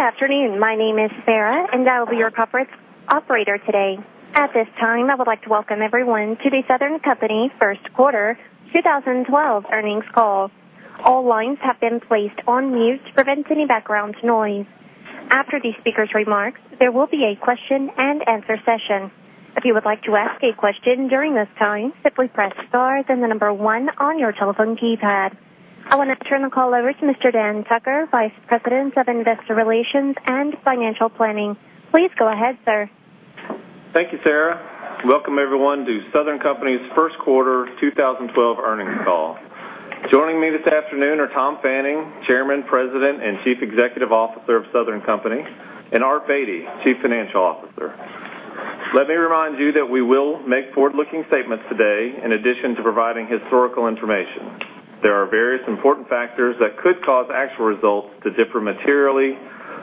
Good afternoon. My name is Sarah, and I will be your corporate operator today. At this time, I would like to welcome everyone to the Southern Company First Quarter 2012 Earnings Call. All lines have been placed on mute to prevent any background noise. After the speaker's remarks, there will be a question-and-answer session. If you would like to ask a question during this time, simplypress star then the number one on your telephone keypad. I want to turn the call over to Mr. Dan Tucker, Vice President of Investor Relations and Financial Planning. Please go ahead, sir. Thank you, Sarah. Welcome everyone to Southern Company's First Quarter 2012 Earnings Call. Joining me this afternoon are Tom Fanning, Chairman, President, and Chief Executive Officer of Southern Company, and Art Beattie, Chief Financial Officer. Let me remind you that we will make forward-looking statements today in addition to providing historical information. There are various important factors that could cause actual results to differ materially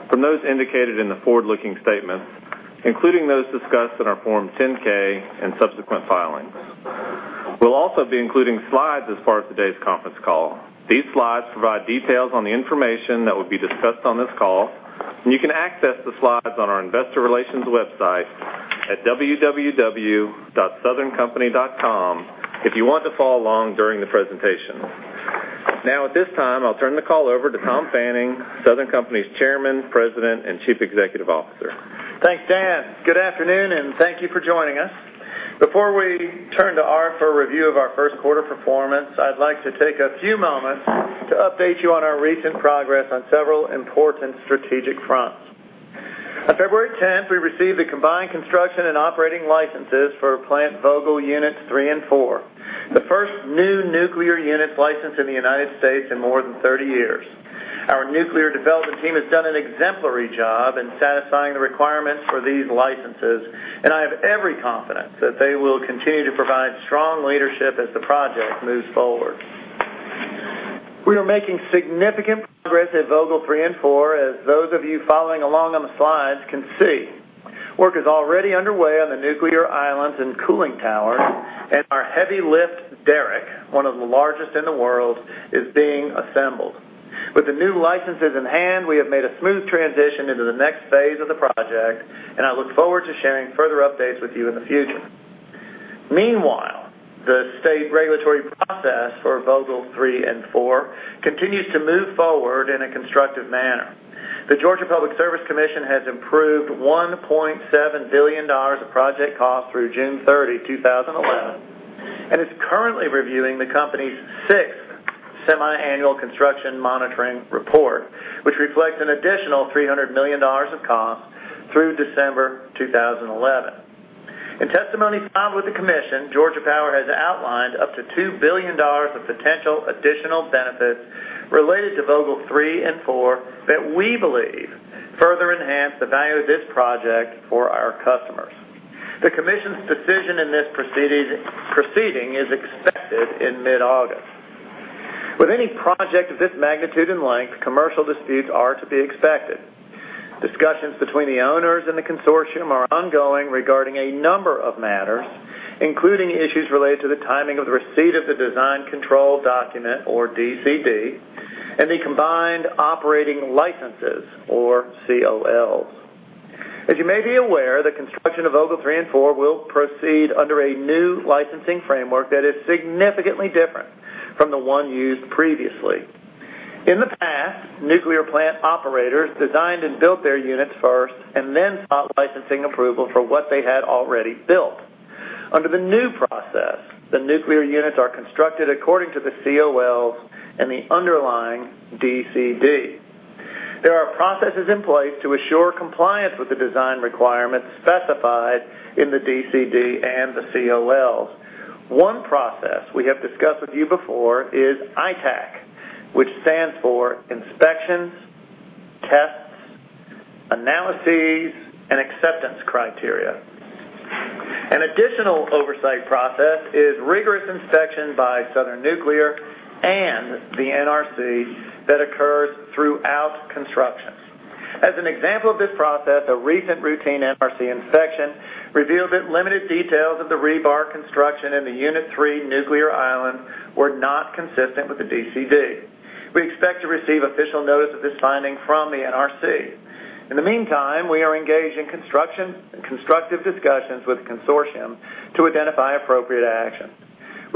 from those indicated in the forward-looking statements, including those discussed in our Form 10-K and subsequent filings. We will also be including slides as part of today's conference call. These slides provide details on the information that will be discussed on this call, and you can access the slides on our Investor Relations website at www.southerncompany.com if you want to follow along during the presentation. At this time, I'll turn the call over to Tom Fanning, Southern Company's Chairman, President, and Chief Executive Officer. Thanks, Dan. Good afternoon and thank you for joining us. Before we turn to Art for a review of our first quarter performance, I'd like to take a few moments to update you on our recent progress on several important strategic fronts. On February 10th, we received the combined construction and operating licenses for Plant Vogtle Units 3 and 4, the first new nuclear unit license in the U.S. in more than 30 years. Our nuclear development team has done an exemplary job in satisfying the requirements for these licenses, and I have every confidence that they will continue to provide strong leadership as the project moves forward. We are making significant progress at Vogtle 3 and 4, as those of you following along on the slides can see. Work is already underway on the nuclear islands and cooling tower, and our heavy lift derrick, one of the largest in the world, is being assembled. With the new licenses in hand, we have made a smooth transition into the next phase of the project, and I look forward to sharing further updates with you in the future. Meanwhile, the state regulatory process for Vogtle 3 and 4 continues to move forward in a constructive manner. The Georgia Public Service Commission has approved $1.7 billion of project costs through June 30, 2011, and is currently reviewing the company's sixth semi-annual construction monitoring report, which reflects an additional $300 million of costs through December 2011. In testimonies filed with the Commission, Georgia Power has outlined up to $2 billion of potential additional benefits related to Vogtle 3 and 4 that we believe further enhance the value of this project for our customers. The Commission's decision in this proceeding is expected in mid-August. With any project of this magnitude and length, commercial disputes are to be expected. Discussions between the owners and the consortium are ongoing regarding a number of matters, including issues related to the timing of the receipt of the design control document, or DCD, and the combined operating licenses, or COLs. As you may be aware, the construction of Vogtle 3 and 4 will proceed under a new licensing framework that is significantly different from the one used previously. In the past, nuclear plant operators designed and built their units first and then sought licensing approval for what they had already built. Under the new process, the nuclear units are constructed according to the COLs and the underlying DCD. There are processes in place to assure compliance with the design requirements specified in the DCD and the COLs. One process we have discussed with you before is ITAAC, which stands for Inspections, Tests, Analyses, and Acceptance Criteria. An additional oversight process is rigorous inspection by Southern Nuclear and the NRC that occurs throughout construction. As an example of this process, a recent routine NRC inspection revealed that limited details of the rebar construction in the Unit 3 nuclear island were not consistent with the DCD. We expect to receive official notice of this finding from the NRC. In the meantime, we are engaged in construction and constructive discussions with the consortium to identify appropriate action.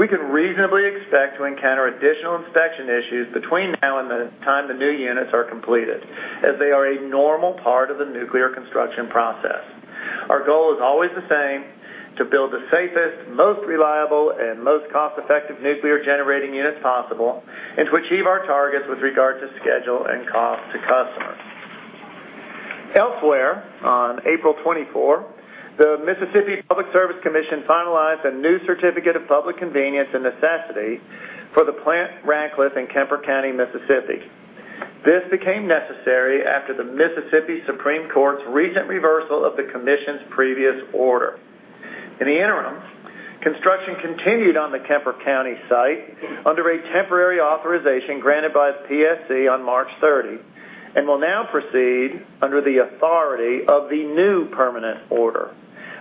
We can reasonably expect to encounter additional inspection issues between now and the time the new units are completed, as they are a normal part of the nuclear construction process. Our goal is always the same: to build the safest, most reliable, and most cost-effective nuclear generating units possible and to achieve our targets with regard to schedule and cost to customers. Elsewhere, on April 24, the Mississippi Public Service Commission finalized a new certificate of public convenience and necessity for the Plant Ratcliffe in Kemper County, Mississippi. This became necessary after the Mississippi Supreme Court's recent reversal of the Commission's previous order. In the interim, construction continued on the Kemper County site under a temporary authorization granted by the PSC on March 30 and will now proceed under the authority of the new permanent order.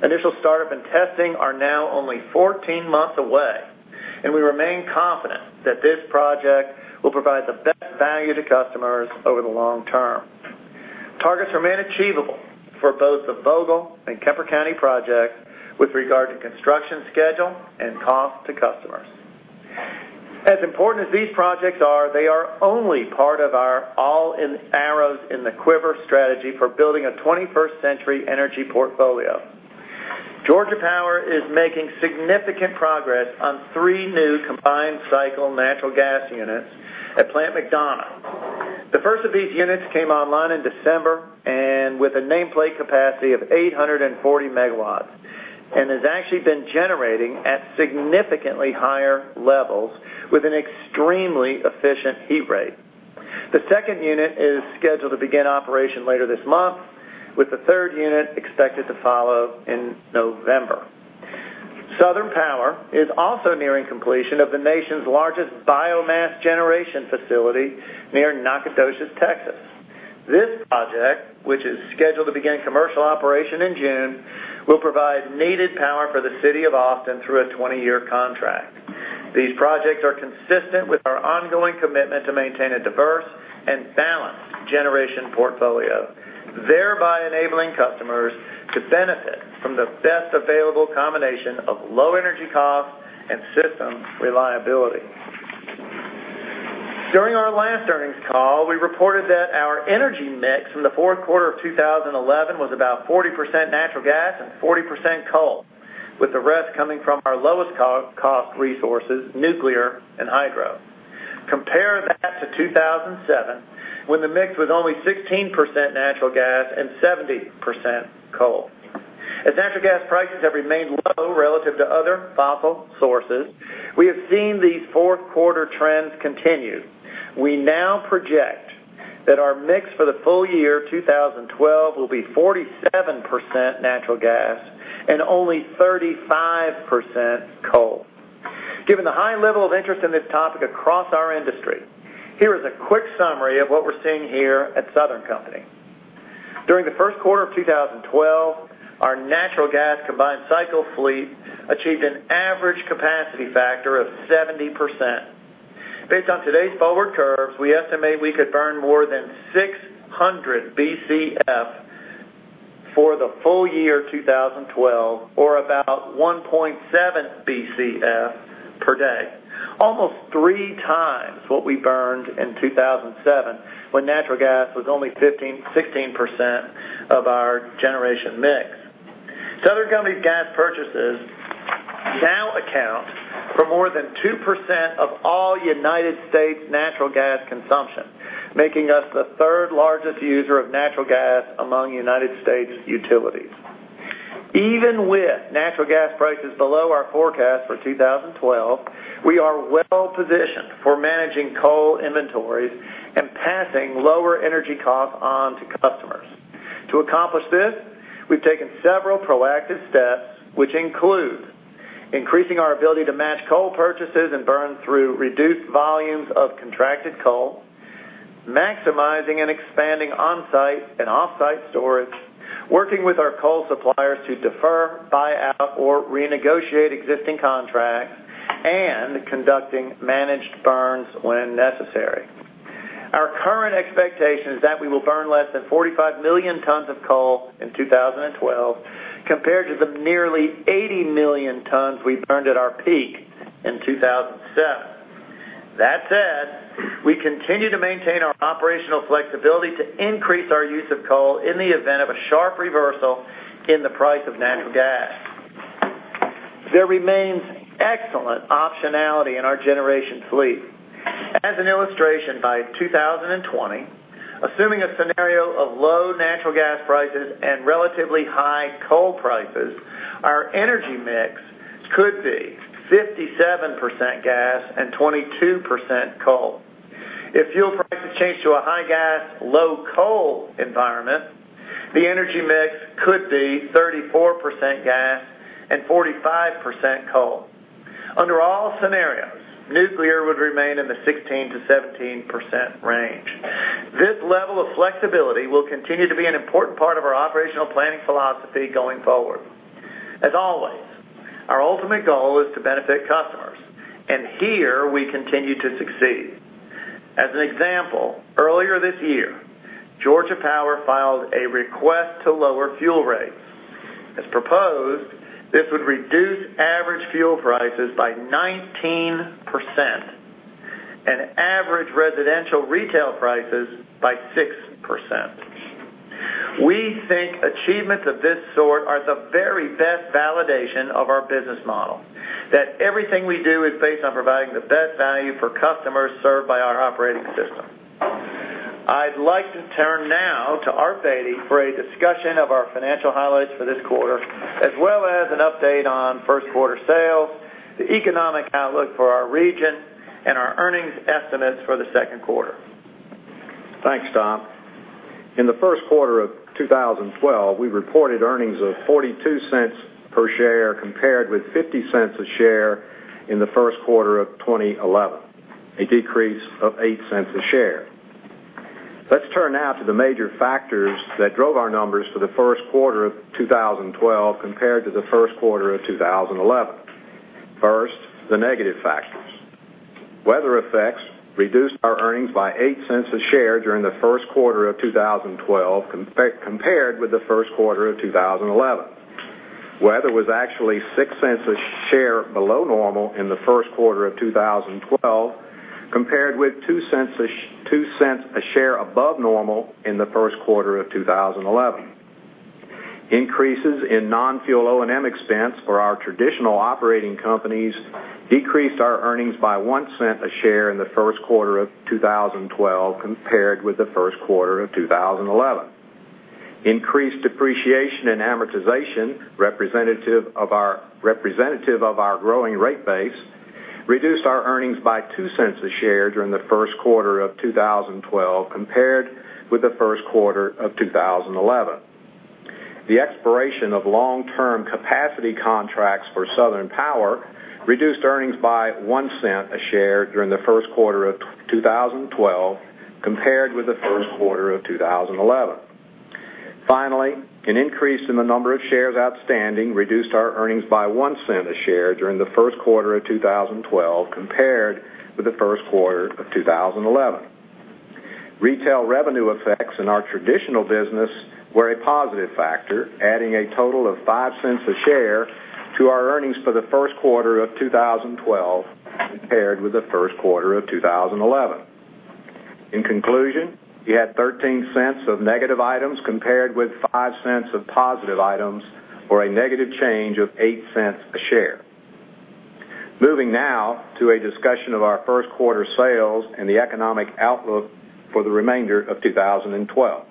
Initial startup and testing are now only 14 months away, and we remain confident that this project will provide the best value to customers over the long term. Targets remain achievable for both the Vogtle and Kemper County projects with regard to construction schedule and cost to customers. As important as these projects are, they are only part of our all-arrows-in-the-quiver strategy for building a 21st-century energy portfolio. Georgia Power is making significant progress on three new combined cycle natural gas units at Plant McDonough. The first of these units came online in December with a nameplate capacity of 840 MW and has actually been generating at significantly higher levels with an extremely efficient heat rate. The second unit is scheduled to begin operation later this month, with the third unit expected to follow in November. Southern Power is also nearing completion of the nation's largest biomass generation facility near Nacogdoches, Texas. This project, which is scheduled to begin commercial operation in June, will provide needed power for the City of Austin through a 20-year contract. These projects are consistent with our ongoing commitment to maintain a diverse and balanced generation portfolio, thereby enabling customers to benefit from the best available combination of low energy cost and system reliability. During our last earnings call, we reported that our energy mix from the fourth quarter of 2011 was about 40% natural gas and 40% coal, with the rest coming from our lowest cost resources, nuclear and hydro. Compare that to 2007, when the mix was only 16% natural gas and 70% coal. As natural gas prices have remained low relative to other fossil sources, we have seen these fourth quarter trends continue. We now project that our mix for the full year 2012 will be 47% natural gas and only 35% coal. Given the high level of interest in this topic across our industry, here is a quick summary of what we're seeing here at Southern Company. During the first quarter of 2012, our natural gas combined cycle fleet achieved an average capacity factor of 70%. Based on today's forward curves, we estimate we could burn more than 600 Bcf for the full year 2012, or about 1.7 Bcf per day, almost 3x what we burned in 2007 when natural gas was only 15%-16% of our generation mix. Southern Company gas purchases now account for more than 2% of all U.S. natural gas consumption, making us the third largest user of natural gas among U.S. utilities. Even with natural gas prices below our forecast for 2012, we are well positioned for managing coal inventories and passing lower energy costs on to customers. To accomplish this, we've taken several proactive steps, which include increasing our ability to match coal purchases and burn through reduced volumes of contracted coal, maximizing and expanding onsite and offsite storage, working with our coal suppliers to defer, buy out, or renegotiate existing contracts, and conducting managed burns when necessary. Our current expectation is that we will burn less than 45 million tons of coal in 2012 compared to the nearly 80 million tons we burned at our peak in 2007. That said, we continue to maintain our operational flexibility to increase our use of coal in the event of a sharp reversal in the price of natural gas. There remains excellent optionality in our generation fleet. As an illustration, by 2020, assuming a scenario of low natural gas prices and relatively high coal prices, our energy mix could be 57% gas and 22% coal. If fuel prices change to a high gas, low coal environment, the energy mix could be 34% gas and 45% coal. Under all scenarios, nuclear would remain in the 16%-17% range. This level of flexibility will continue to be an important part of our operational planning philosophy going forward. As always, our ultimate goal is to benefit customers, and here we continue to succeed. As an example, earlier this year, Georgia Power filed a request to lower fuel rates. As proposed, this would reduce average fuel prices by 19% and average residential retail prices by 6%. We think achievements of this sort are the very best validation of our business model, that everything we do is based on providing the best value for customers served by our operating system. I'd like to turn now to Art Beattie for a discussion of our financial highlights for this quarter, as well as an update on first-quarter sales, the economic outlook for our region, and our earnings estimates for the second quarter. Thanks, Tom. In the first quarter of 2012, we reported earnings of $0.42 per share compared with $0.50 a share in the first quarter of 2011, a decrease of $0.08 a share. Let's turn now to the major factors that drove our numbers for the first quarter of 2012 compared to the first quarter of 2011. First, the negative factors. Weather effects reduced our earnings by $0.08 a share during the first quarter of 2012 compared with the first quarter of 2011. Weather was actually $0.06 a share below normal in the first quarter of 2012 compared with $0.02 a share above normal in the first quarter of 2011. Increases in non-fuel O&M expense for our traditional operating companies decreased our earnings by $0.01 a share in the first quarter of 2012 compared with the first quarter of 2011. Increased depreciation and amortization, representative of our growing rate base, reduced our earnings by $0.02 a share during the first quarter of 2012 compared with the first quarter of 2011. The expiration of long-term capacity contracts for Southern Power reduced earnings by $0.01 a share during the first quarter of 2012 compared with the first quarter of 2011. Finally, an increase in the number of shares outstanding reduced our earnings by $0.01 a share during the first quarter of 2012 compared with the first quarter of 2011. Retail revenue effects in our traditional business were a positive factor, adding a total of $0.05 a share to our earnings for the first quarter of 2012 compared with the first quarter of 2011. In conclusion, we had $0.13 of negative items compared with $0.05 of positive items, or a negative change of $0.08 a share. Moving now to a discussion of our first quarter sales and the economic outlook for the remainder of 2012.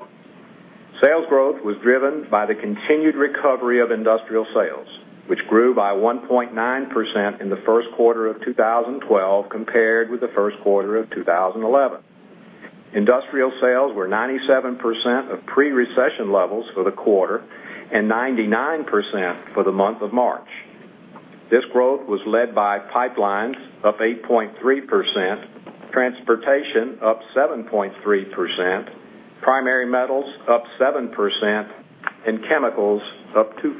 Sales growth was driven by the continued recovery of industrial sales, which grew by 1.9% in the first quarter of 2012 compared with the first quarter of 2011. Industrial sales were 97% of pre-recession levels for the quarter and 99% for the month of March. This growth was led by pipelines up 8.3%, transportation up 7.3%, primary metals up 7%, and chemicals up 2%.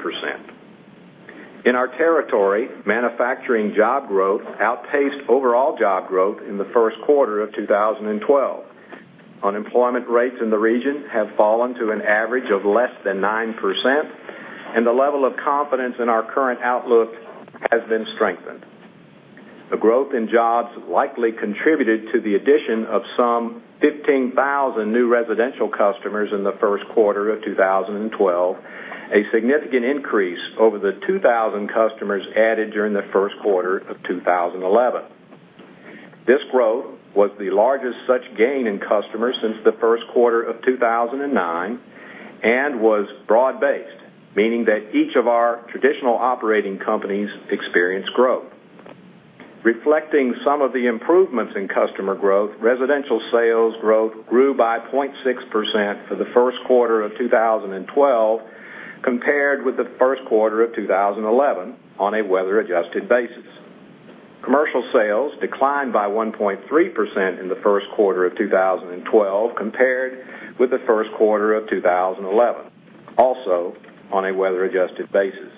In our territory, manufacturing job growth outpaced overall job growth in the first quarter of 2012. Unemployment rates in the region have fallen to an average of less than 9%, and the level of confidence in our current outlook has been strengthened. A growth in jobs likely contributed to the addition of some 15,000 new residential customers in the first quarter of 2012, a significant increase over the 2,000 customers added during the first quarter of 2011. This growth was the largest such gain in customers since the first quarter of 2009 and was broad-based, meaning that each of our traditional operating companies experienced growth. Reflecting some of the improvements in customer growth, residential sales growth grew by 0.6% for the first quarter of 2012 compared with the first quarter of 2011 on a weather-adjusted basis. Commercial sales declined by 1.3% in the first quarter of 2012 compared with the first quarter of 2011, also on a weather-adjusted basis.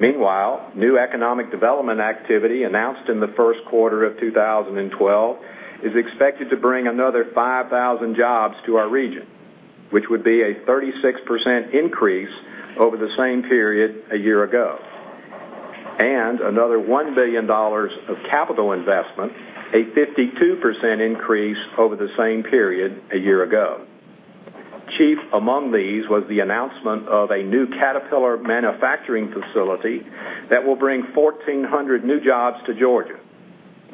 Meanwhile, new economic development activity announced in the first quarter of 2012 is expected to bring another 5,000 jobs to our region, which would be a 36% increase over the same period a year ago, and another $1 billion of capital investment, a 52% increase over the same period a year ago. Chief among these was the announcement of a new Caterpillar manufacturing facility that will bring 1,400 new jobs to Georgia.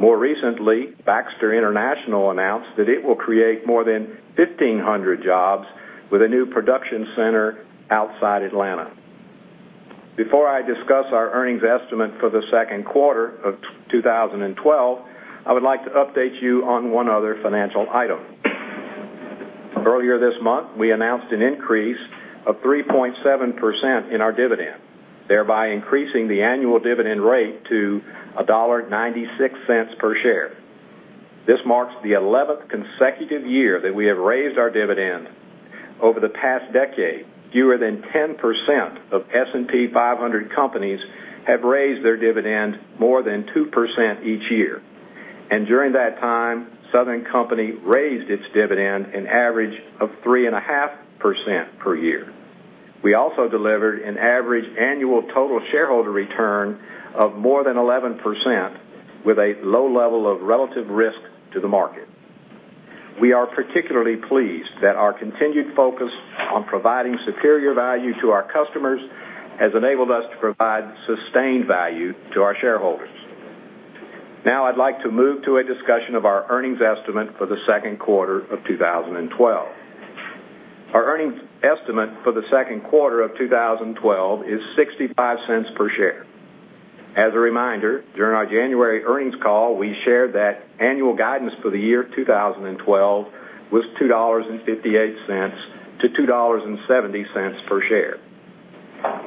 More recently, Baxter International announced that it will create more than 1,500 jobs with a new production center outside Atlanta. Before I discuss our earnings estimate for the second quarter of 2012, I would like to update you on one other financial item. Earlier this month, we announced an increase of 3.7% in our dividend, thereby increasing the annual dividend rate to $1.96 per share. This marks the 11th consecutive year that we have raised our dividend. Over the past decade, fewer than 10% of S&P 500 companies have raised their dividend more than 2% each year, and during that time, Southern Company raised its dividend an average of 3.5% per year. We also delivered an average annual total shareholder return of more than 11% with a low level of relative risk to the market. We are particularly pleased that our continued focus on providing superior value to our customers has enabled us to provide sustained value to our shareholders. Now, I'd like to move to a discussion of our earnings estimate for the second quarter of 2012. Our earnings estimate for the second quarter of 2012 is $0.65 per share. As a reminder, during our January earnings call, we shared that annual guidance for the year 2012 was $2.58-$2.70 per share.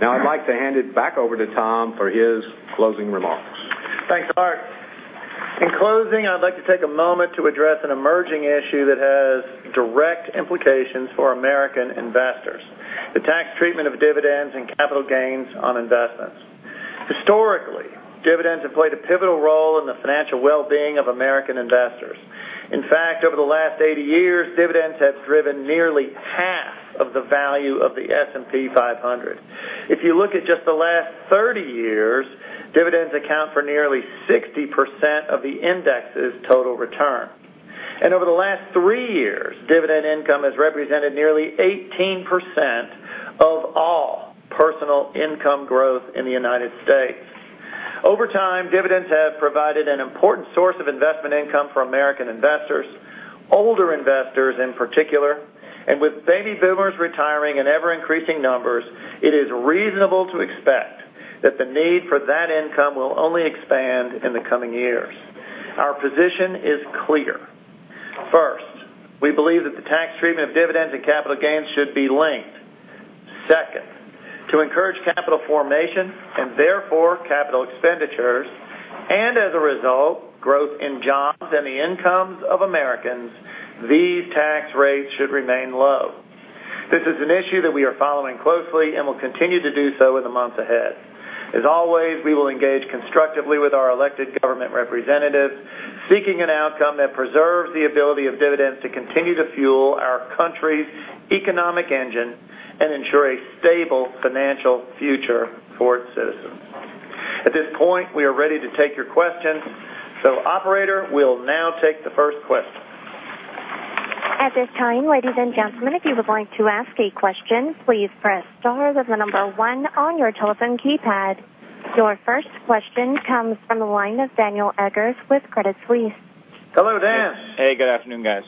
Now, I'd like to hand it back over to Tom for his closing remarks. Thanks, Art. In closing, I'd like to take a moment to address an emerging issue that has direct implications for American investors: the tax treatment of dividends and capital gains on investments. Historically, dividends have played a pivotal role in the financial well-being of American investors. In fact, over the last 80 years, dividends have driven nearly half of the value of the S&P 500. If you look at just the last 30 years, dividends account for nearly 60% of the index's total return. Over the last three years, dividend income has represented nearly 18% of all personal income growth in the United States. Over time, dividends have provided an important source of investment income for American investors, older investors in particular, and with baby boomers retiring in ever-increasing numbers, it is reasonable to expect that the need for that income will only expand in the coming years. Our position is clear. First, we believe that the tax treatment of dividends and capital gains should be linked. Second, to encourage capital formation and therefore capital expenditures, and as a result, growth in jobs and the incomes of Americans, these tax rates should remain low. This is an issue that we are following closely and will continue to do so in the months ahead. As always, we will engage constructively with our elected government representatives, seeking an outcome that preserves the ability of dividends to continue to fuel our country's economic engine and ensure a stable financial future for its citizens. At this point, we are ready to take your questions, so operator, we'll now take the first question. At this time, ladies and gentlemen, if you would like to ask a question, please press star with the number one on your telephone keypad. Your first question comes from the line of Daniel Eggers with Credit Suisse. Hello, Dan. Hey, good afternoon, guys.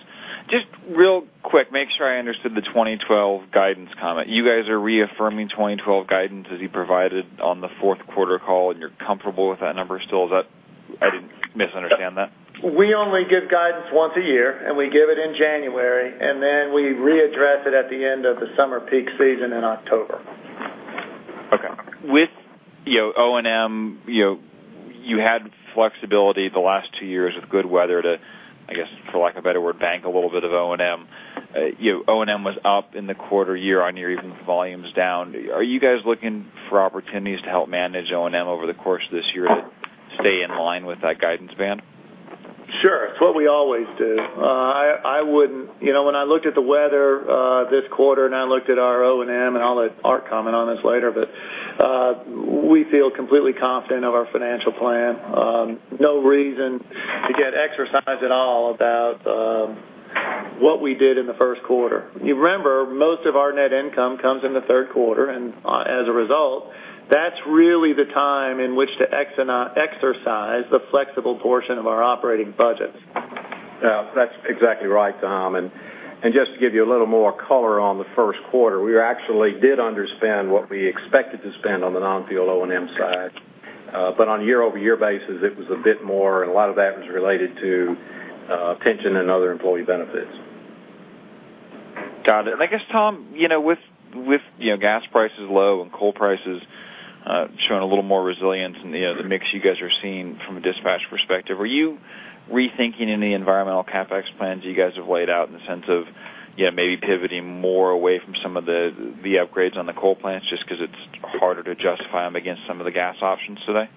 Just real quick, make sure I understood the 2012 guidance comment. You guys are reaffirming 2012 guidance as you provided on the fourth quarter call, and you're comfortable with that number still? I didn't misunderstand that. We only give guidance once a year, and we give it in January, and then we readdress it at the end of the summer peak season in October. Okay. With O&M, you had flexibility the last two years with good weather to, I guess, for lack of a better word, bank a little bit of O&M. O&M was up in the quarter year on year, even with volumes down. Are you guys looking for opportunities to help manage O&M over the course of this year to stay in line with that guidance band? Sure. It's what we always do. I wouldn't, you know, when I looked at the weather this quarter and I looked at our O&M, and I'll let Art comment on this later, but we feel completely confident of our financial plan. No reason to get exercised at all about what we did in the first quarter. You remember, most of our net income comes in the third quarter, and as a result, that's really the time in which to exercise the flexible portion of our operating budgets. Yeah, that's exactly right, Tom. Just to give you a little more color on the first quarter, we actually did underspend what we expected to spend on the non-fuel O&M side. On a year-over-year basis, it was a bit more, and a lot of that was related to pension and other employee benefits. Got it. I guess, Tom, with gas prices low and coal prices showing a little more resilience, and the mix you guys are seeing from a dispatch perspective, are you rethinking any environmental CapEx plans you guys have laid out in the sense of maybe pivoting more away from some of the upgrades on the coal plants just because it's harder to justify them against some of the gas options today?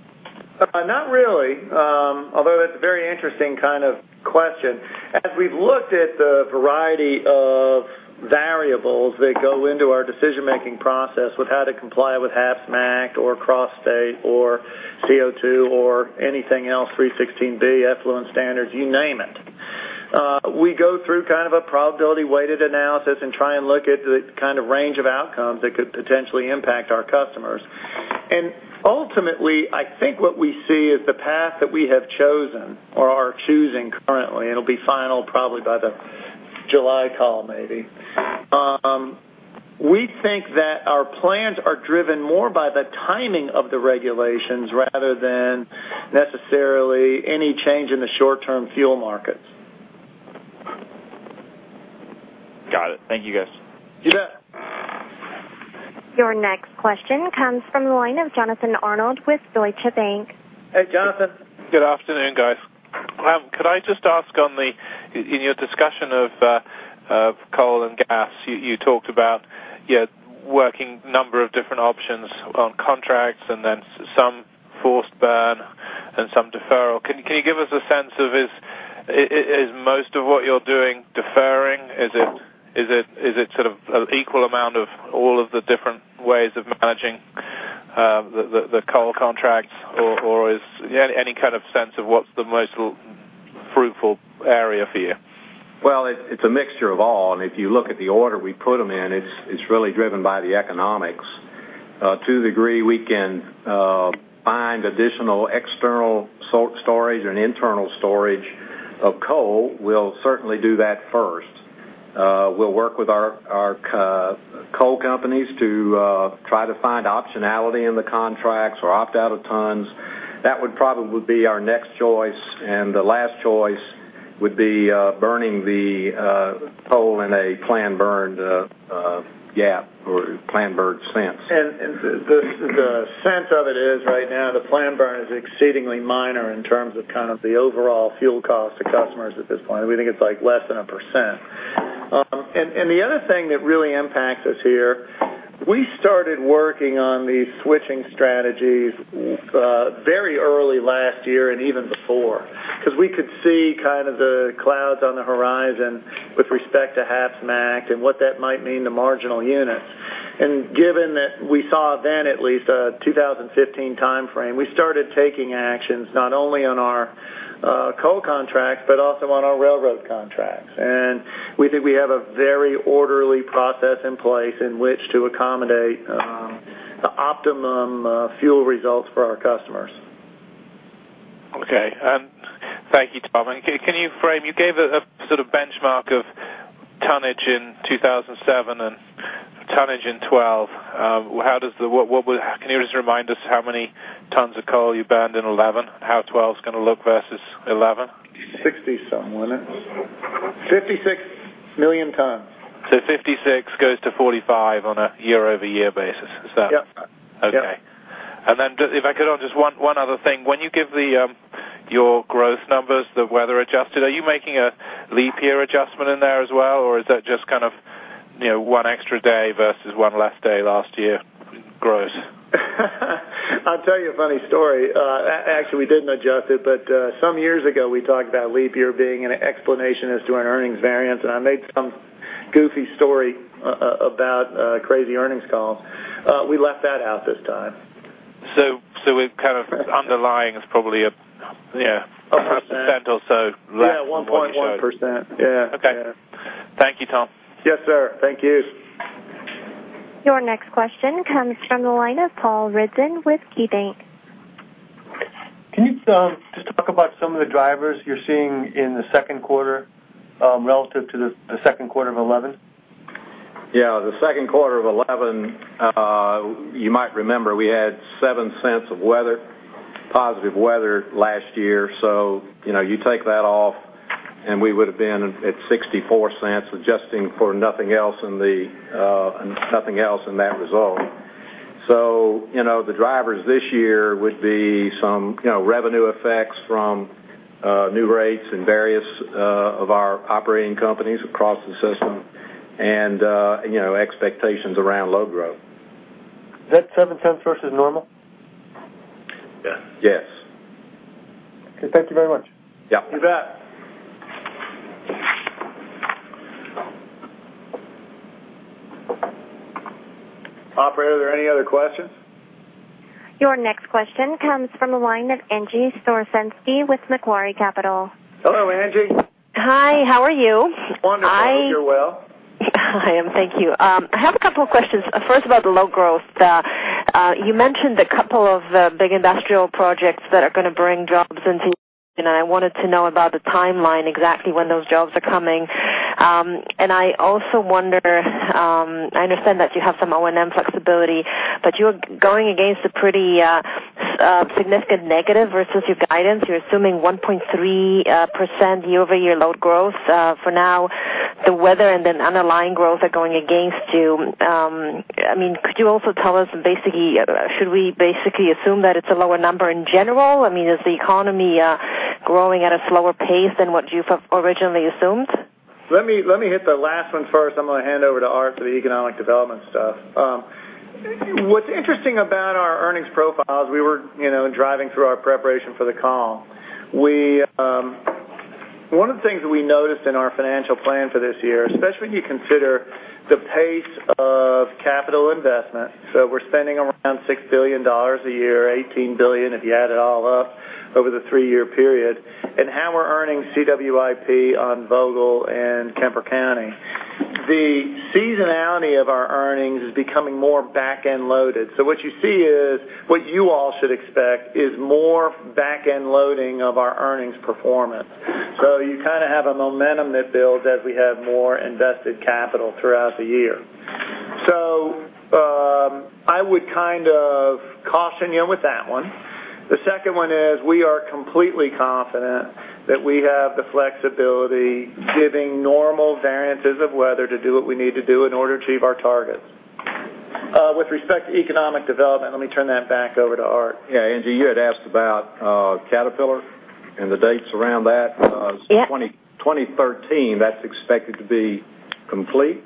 Not really, although that's a very interesting kind of question. As we've looked at the variety of variables that go into our decision-making process with how to comply with HAPs MACT or Cross-State or CO2 or anything else, 316(b), Effluent Standards, you name it, we go through a probability-weighted analysis and try and look at the range of outcomes that could potentially impact our customers. Ultimately, I think what we see is the path that we have chosen or are choosing currently, and it'll be final probably by the July call, maybe. We think that our plans are driven more by the timing of the regulations rather than necessarily any change in the short-term fuel markets. Got it. Thank you, guys. You bet. Your next question comes from the line of Jonathan Arnold with Deutsche Bank. Hey, Jonathan. Good afternoon, guys. Welcome. Could I just ask, in your discussion of coal and gas, you talked about working a number of different options on contracts and then some forced burn and some deferral. Can you give us a sense of, is most of what you're doing deferring? Is it sort of an equal amount of all of the different ways of managing the coal contracts, or is there any kind of sense of what's the most fruitful area for you? It is a mixture of all, and if you look at the order we put them in, it is really driven by the economics. To the degree we can find additional external storage and internal storage of coal, we will certainly do that first. We will work with our coal companies to try to find optionality in the contracts or opt out of tons. That would probably be our next choice, and the last choice would be burning the coal in a planned burn gap or planned burn sense. The sense of it is right now the planned burn is exceedingly minor in terms of the overall fuel cost to customers at this point. We think it's like less than 1%. The other thing that really impacts us here, we started working on these switching strategies very early last year and even before because we could see the clouds on the horizon with respect to the HAPs MACT and what that might mean to marginal units. Given that we saw then at least a 2015 timeframe, we started taking actions not only on our coal contracts but also on our railroad contracts. We think we have a very orderly process in place in which to accommodate the optimum fuel results for our customers. Okay. Thank you, Tom. Can you frame, you gave a sort of benchmark of tonnage in 2007 and tonnage in 2012. Can you just remind us how many tons of coal you burned in 2011? How 2012 is going to look versus 2011? It's 56 million tons. Does 56 go to 45 on a year-over-year basis? Is that correct? Yep. Okay. If I could, on just one other thing, when you give your growth numbers, the weather-adjusted, are you making a leap year adjustment in there as well, or is that just kind of, you know, one extra day versus one less day last year growth? I'll tell you a funny story. Actually, we didn't adjust it, but some years ago we talked about leap year being an explanation as to an earnings variance, and I made some goofy story about crazy earnings calls. We left that out this time. We're kind of underlying is probably a percent or so less. Yeah, 1.1%. Yeah. Okay. Thank you, Tom. Yes, sir. Thank you. Your next question comes from the line of Paul Ridzon with KeyBanc. Can you just talk about some of the drivers you're seeing in the second quarter relative to the second quarter of 2011? The second quarter of 2011, you might remember we had $0.07 of positive weather last year. You take that off and we would have been at $0.64, adjusting for nothing else in that result. The drivers this year would be some revenue effects from new rates in various of our operating companies across the system and expectations around low growth. Is that $0.07 versus normal? Yes. Yes. Okay, thank you very much. Yep. You bet. Operator, are there any other questions? Your next question comes from the line of Angie Storozynski with Macquarie Capital. Hello, Angie. Hi, how are you? I'm wonderful. I hope you're well. I am, thank you. I have a couple of questions. First, about the low growth. You mentioned a couple of big industrial projects that are going to bring jobs in, and I wanted to know about the timeline, exactly when those jobs are coming. I also wonder, I understand that you have some O&M flexibility, but you are going against a pretty significant negative versus your guidance. You're assuming 1.3% year-over-year load growth. For now, the weather and then underlying growth are going against you. Could you also tell us basically, should we basically assume that it's a lower number in general? Is the economy growing at a slower pace than what you originally assumed? Let me hit the last one first. I'm going to hand over to Art for the economic development stuff. What's interesting about our earnings profiles, we were driving through our preparation for the call. One of the things that we noticed in our financial plan for this year, especially when you consider the pace of capital investment, we're spending around $6 billion a year, $18 billion if you add it all up over the three-year period, and how we're earning CWIP on Vogtle and Kemper County, the seasonality of our earnings is becoming more back-end loaded. What you see is what you all should expect is more back-end loading of our earnings performance. You kind of have a momentum that builds as we have more invested capital throughout the year. I would kind of caution you with that one. The second one is we are completely confident that we have the flexibility, giving normal variances of weather to do what we need to do in order to achieve our targets. With respect to economic development, let me turn that back over to Art. Yeah, Angie you had asked about Caterpillar and the dates around that. Yeah. 2013, that's expected to be complete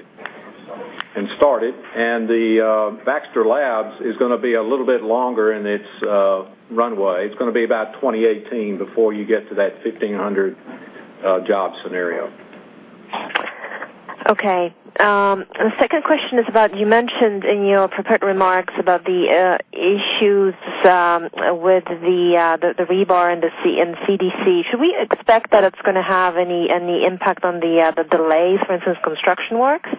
and started, and the Baxter Labs is going to be a little bit longer in its runway. It's going to be about 2018 before you get to that 1,500 job scenario. Okay. The second question is about, you mentioned in your prepared remarks about the issues with the rebar and the CDC. Should we expect that it's going to have any impact on the delay, for instance, construction works?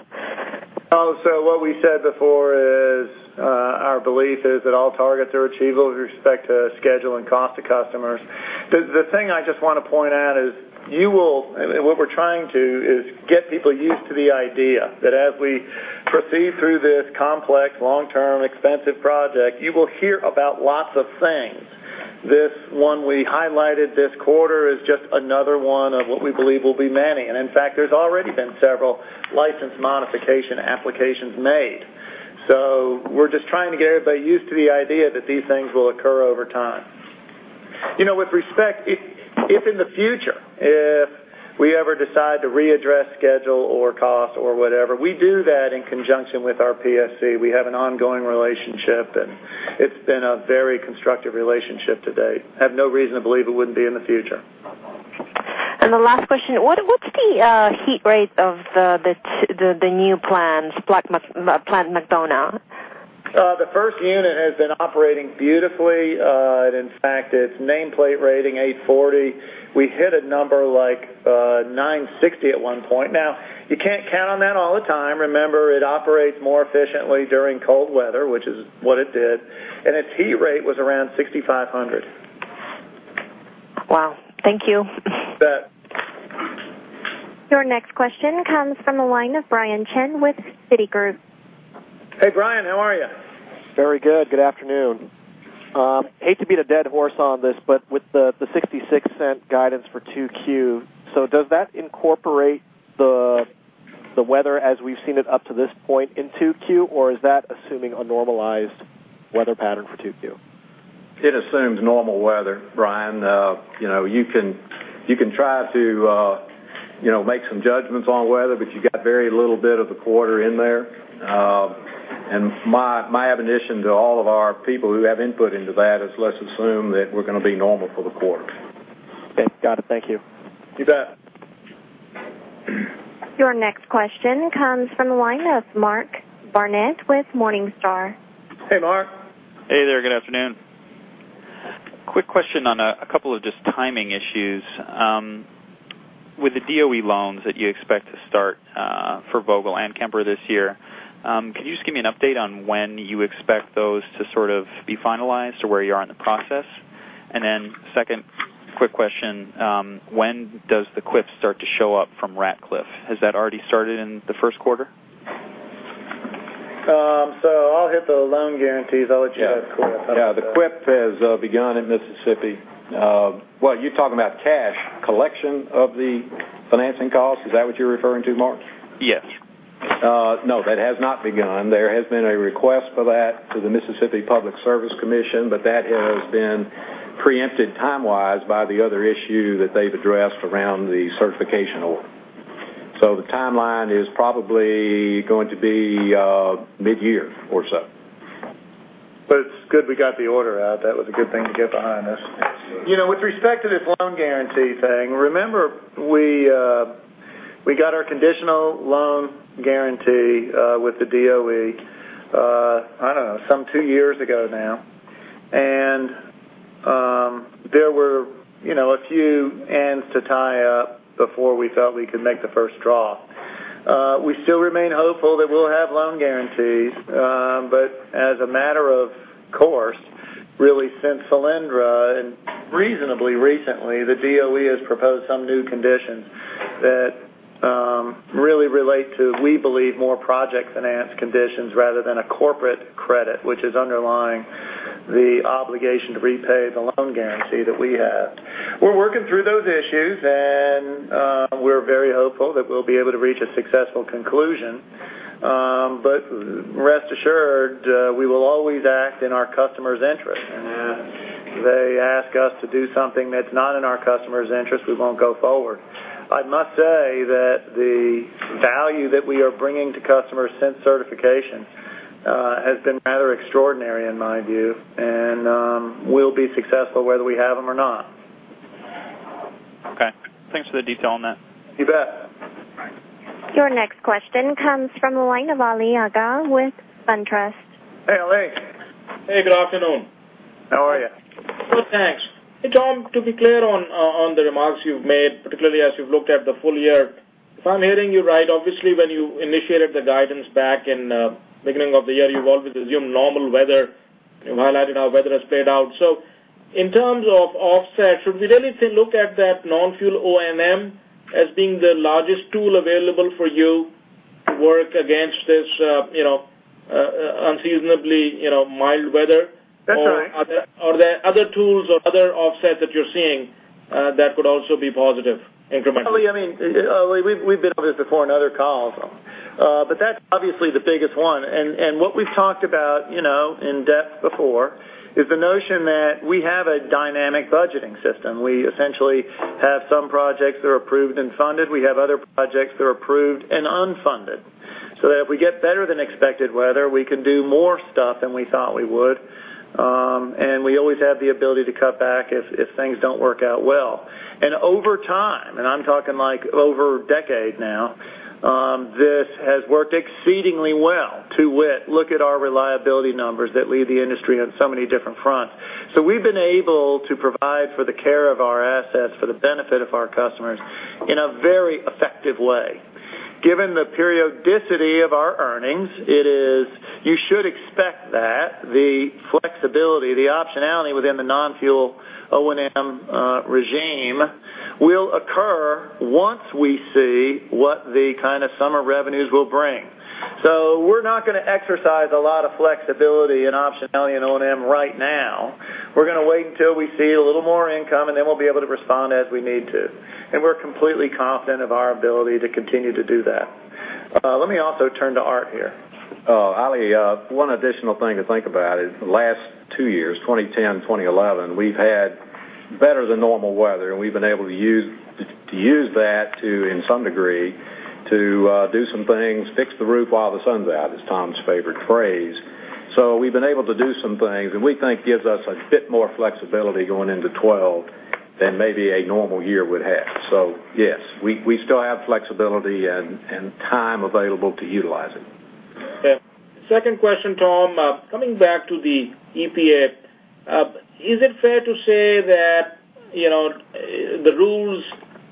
What we said before is our belief is that all targets are achievable with respect to schedule and cost to customers. The thing I just want to point out is, what we're trying to do is get people used to the idea that as we proceed through this complex, long-term, expensive project, you will hear about lots of things. This one we highlighted this quarter is just another one of what we believe will be many. In fact, there's already been several license modification applications made. We're just trying to get everybody used to the idea that these things will occur over time. You know, with respect, if in the future, if we ever decide to readdress schedule or cost or whatever, we do that in conjunction with our PSC. We have an ongoing relationship, and it's been a very constructive relationship to date. I have no reason to believe it wouldn't be in the future. What is the heat rate of the new Plant McDonough? The first unit has been operating beautifully. In fact, its nameplate rating is 840. We hit a number like 960 at one point. Now, you can't count on that all the time. Remember, it operates more efficiently during cold weather, which is what it did, and its heat rate was around 6,500. Thank you. You bet. Your next question comes from the line of Brian Chin with Citigroup. Hey, Brian. How are you? Very good. Good afternoon. Hate to beat a dead horse on this, but with the $0.66 guidance for 2Q, does that incorporate the weather as we've seen it up to this point in 2Q, or is that assuming a normalized weather pattern for 2Q? It assumes normal weather, Brian. You can try to make some judgments on weather, but you got very little bit of the quarter in there. My admonition to all of our people who have input into that is let's assume that we're going to be normal for the quarter. Okay, got it. Thank you. You bet. Your next question comes from the line of Mark Barnett with Morningstar. Hey, Mark. Hey, there. Good afternoon. Quick question on a couple of just timing issues. With the DOE loans that you expect to start for Plant Vogtle and the Kemper County energy facility this year, could you just give me an update on when you expect those to sort of be finalized or where you are in the process? Second quick question, when does the QIP start to show up from Ratcliffe? Has that already started in the first quarter? I'll hit the loan guarantees. I'll let you guys clear. Yeah, the QIP has begun in Mississippi. You're talking about cash collection of the financing costs. Is that what you're referring to, Mark? Yes. No, that has not begun. There has been a request for that through the Mississippi Public Service Commission, but that has been preempted timewise by the other issue that they've addressed around the certification order. The timeline is probably going to be mid-year or so. It is good we got the order out. That was a good thing to get behind us. You know, with respect to this loan guarantee thing, remember we got our conditional loan guarantee with the DOE, I don't know, some two years ago now. There were a few ends to tie up before we felt we could make the first draw. We still remain hopeful that we'll have loan guarantees. As a matter of course, really, since Solyndra and reasonably recently, the DOE has proposed some new conditions that really relate to, we believe, more project finance conditions rather than a corporate credit, which is underlying the obligation to repay the loan guarantee that we have. We're working through those issues, and we're very hopeful that we'll be able to reach a successful conclusion. Rest assured, we will always act in our customers' interests. If they ask us to do something that's not in our customers' interests, we won't go forward. I must say that the value that we are bringing to customers since certification has been rather extraordinary in my view, and we'll be successful whether we have them or not. Okay, thanks for the detail on that. You bet. Your next question comes from the line of Ali Agha with SunTrust. Hey, Ali. Hey, good afternoon. How are you? Good, thanks. Hey, Tom, to be clear on the remarks you've made, particularly as you've looked at the full year, if I'm hearing you right, obviously, when you initiated the guidance back in the beginning of the year, you've always assumed normal weather. You've highlighted how weather has played out. In terms of offset, should we really look at that non-fuel O&M as being the largest tool available for you to work against this unseasonably mild weather? That's right. Are there other tools or other offsets that you're seeing that could also be positive incrementally? We've been on this before in other calls, but that's obviously the biggest one. What we've talked about in depth before is the notion that we have a dynamic budgeting system. We essentially have some projects that are approved and funded. We have other projects that are approved and unfunded, so that if we get better than expected weather, we can do more stuff than we thought we would. We always have the ability to cut back if things don't work out well. Over time, and I'm talking like over a decade now, this has worked exceedingly well. To wit, look at our reliability numbers that lead the industry on so many different fronts. We've been able to provide for the care of our assets for the benefit of our customers in a very effective way. Given the periodicity of our earnings, you should expect that the flexibility, the optionality within the non-fuel O&M regime will occur once we see what the kind of summer revenues will bring. We're not going to exercise a lot of flexibility and optionality in O&M right now. We're going to wait until we see a little more income, and then we'll be able to respond as we need to. We're completely confident of our ability to continue to do that. Let me also turn to Art here. Oh, Ali, one additional thing to think about is the last two years, 2010, 2011, we've had better than normal weather, and we've been able to use that to, in some degree, do some things, fix the roof while the sun's out, is Tom's favorite phrase. We've been able to do some things, and we think gives us a bit more flexibility going into 2012 than maybe a normal year would have. Yes, we still have flexibility and time available to utilize it. Okay. Second question, Tom. Coming back to the EPA, is it fair to say that, you know, the rules,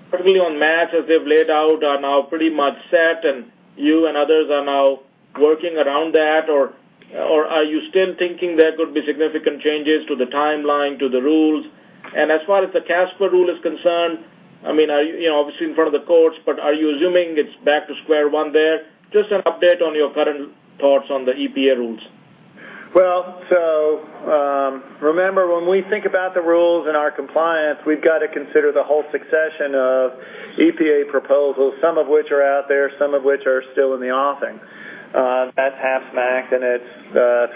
particularly on MATS as they've laid out, are now pretty much set, and you and others are now working around that? Are you still thinking there could be significant changes to the timeline, to the rules? As far as the CSAPR rule is concerned, I mean, you know, obviously in front of the courts, are you assuming it's back to square one there? Just an update on your current thoughts on the EPA rules. Remember when we think about the rules and our compliance, we've got to consider the whole succession of EPA proposals, some of which are out there, some of which are still in the offing at HAPs MACT, and it's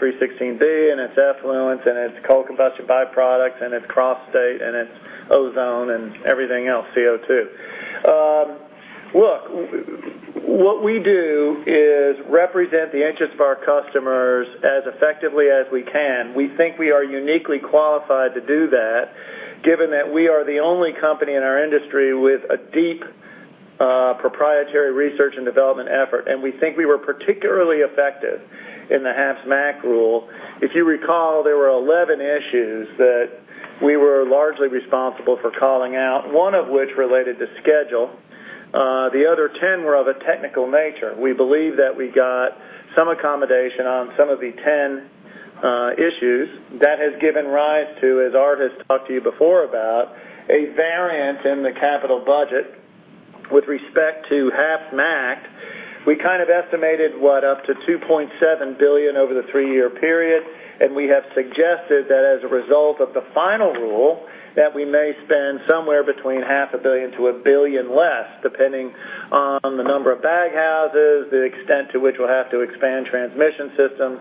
316(b), and it's Effluence, and it's Coal Combustion Byproducts, and it's Cross-State, and it's Ozone, and everything else, CO2. Look, what we do is represent the interests of our customers as effectively as we can. We think we are uniquely qualified to do that, given that we are the only company in our industry with a deep proprietary research and development effort. We think we were particularly effective in the HAPs MACT rule. If you recall, there were 11 issues that we were largely responsible for calling out, one of which related to schedule. The other 10 were of a technical nature. We believe that we got some accommodation on some of the 10 issues. That has given rise to, as Art has talked to you before about, a variance in the capital budget with respect to HAPs MACT. We kind of estimated, what, up to $2.7 billion over the three-year period. We have suggested that as a result of the final rule, we may spend somewhere between $500 million to $1 billion less, depending on the number of baghouses, the extent to which we'll have to expand transmission systems,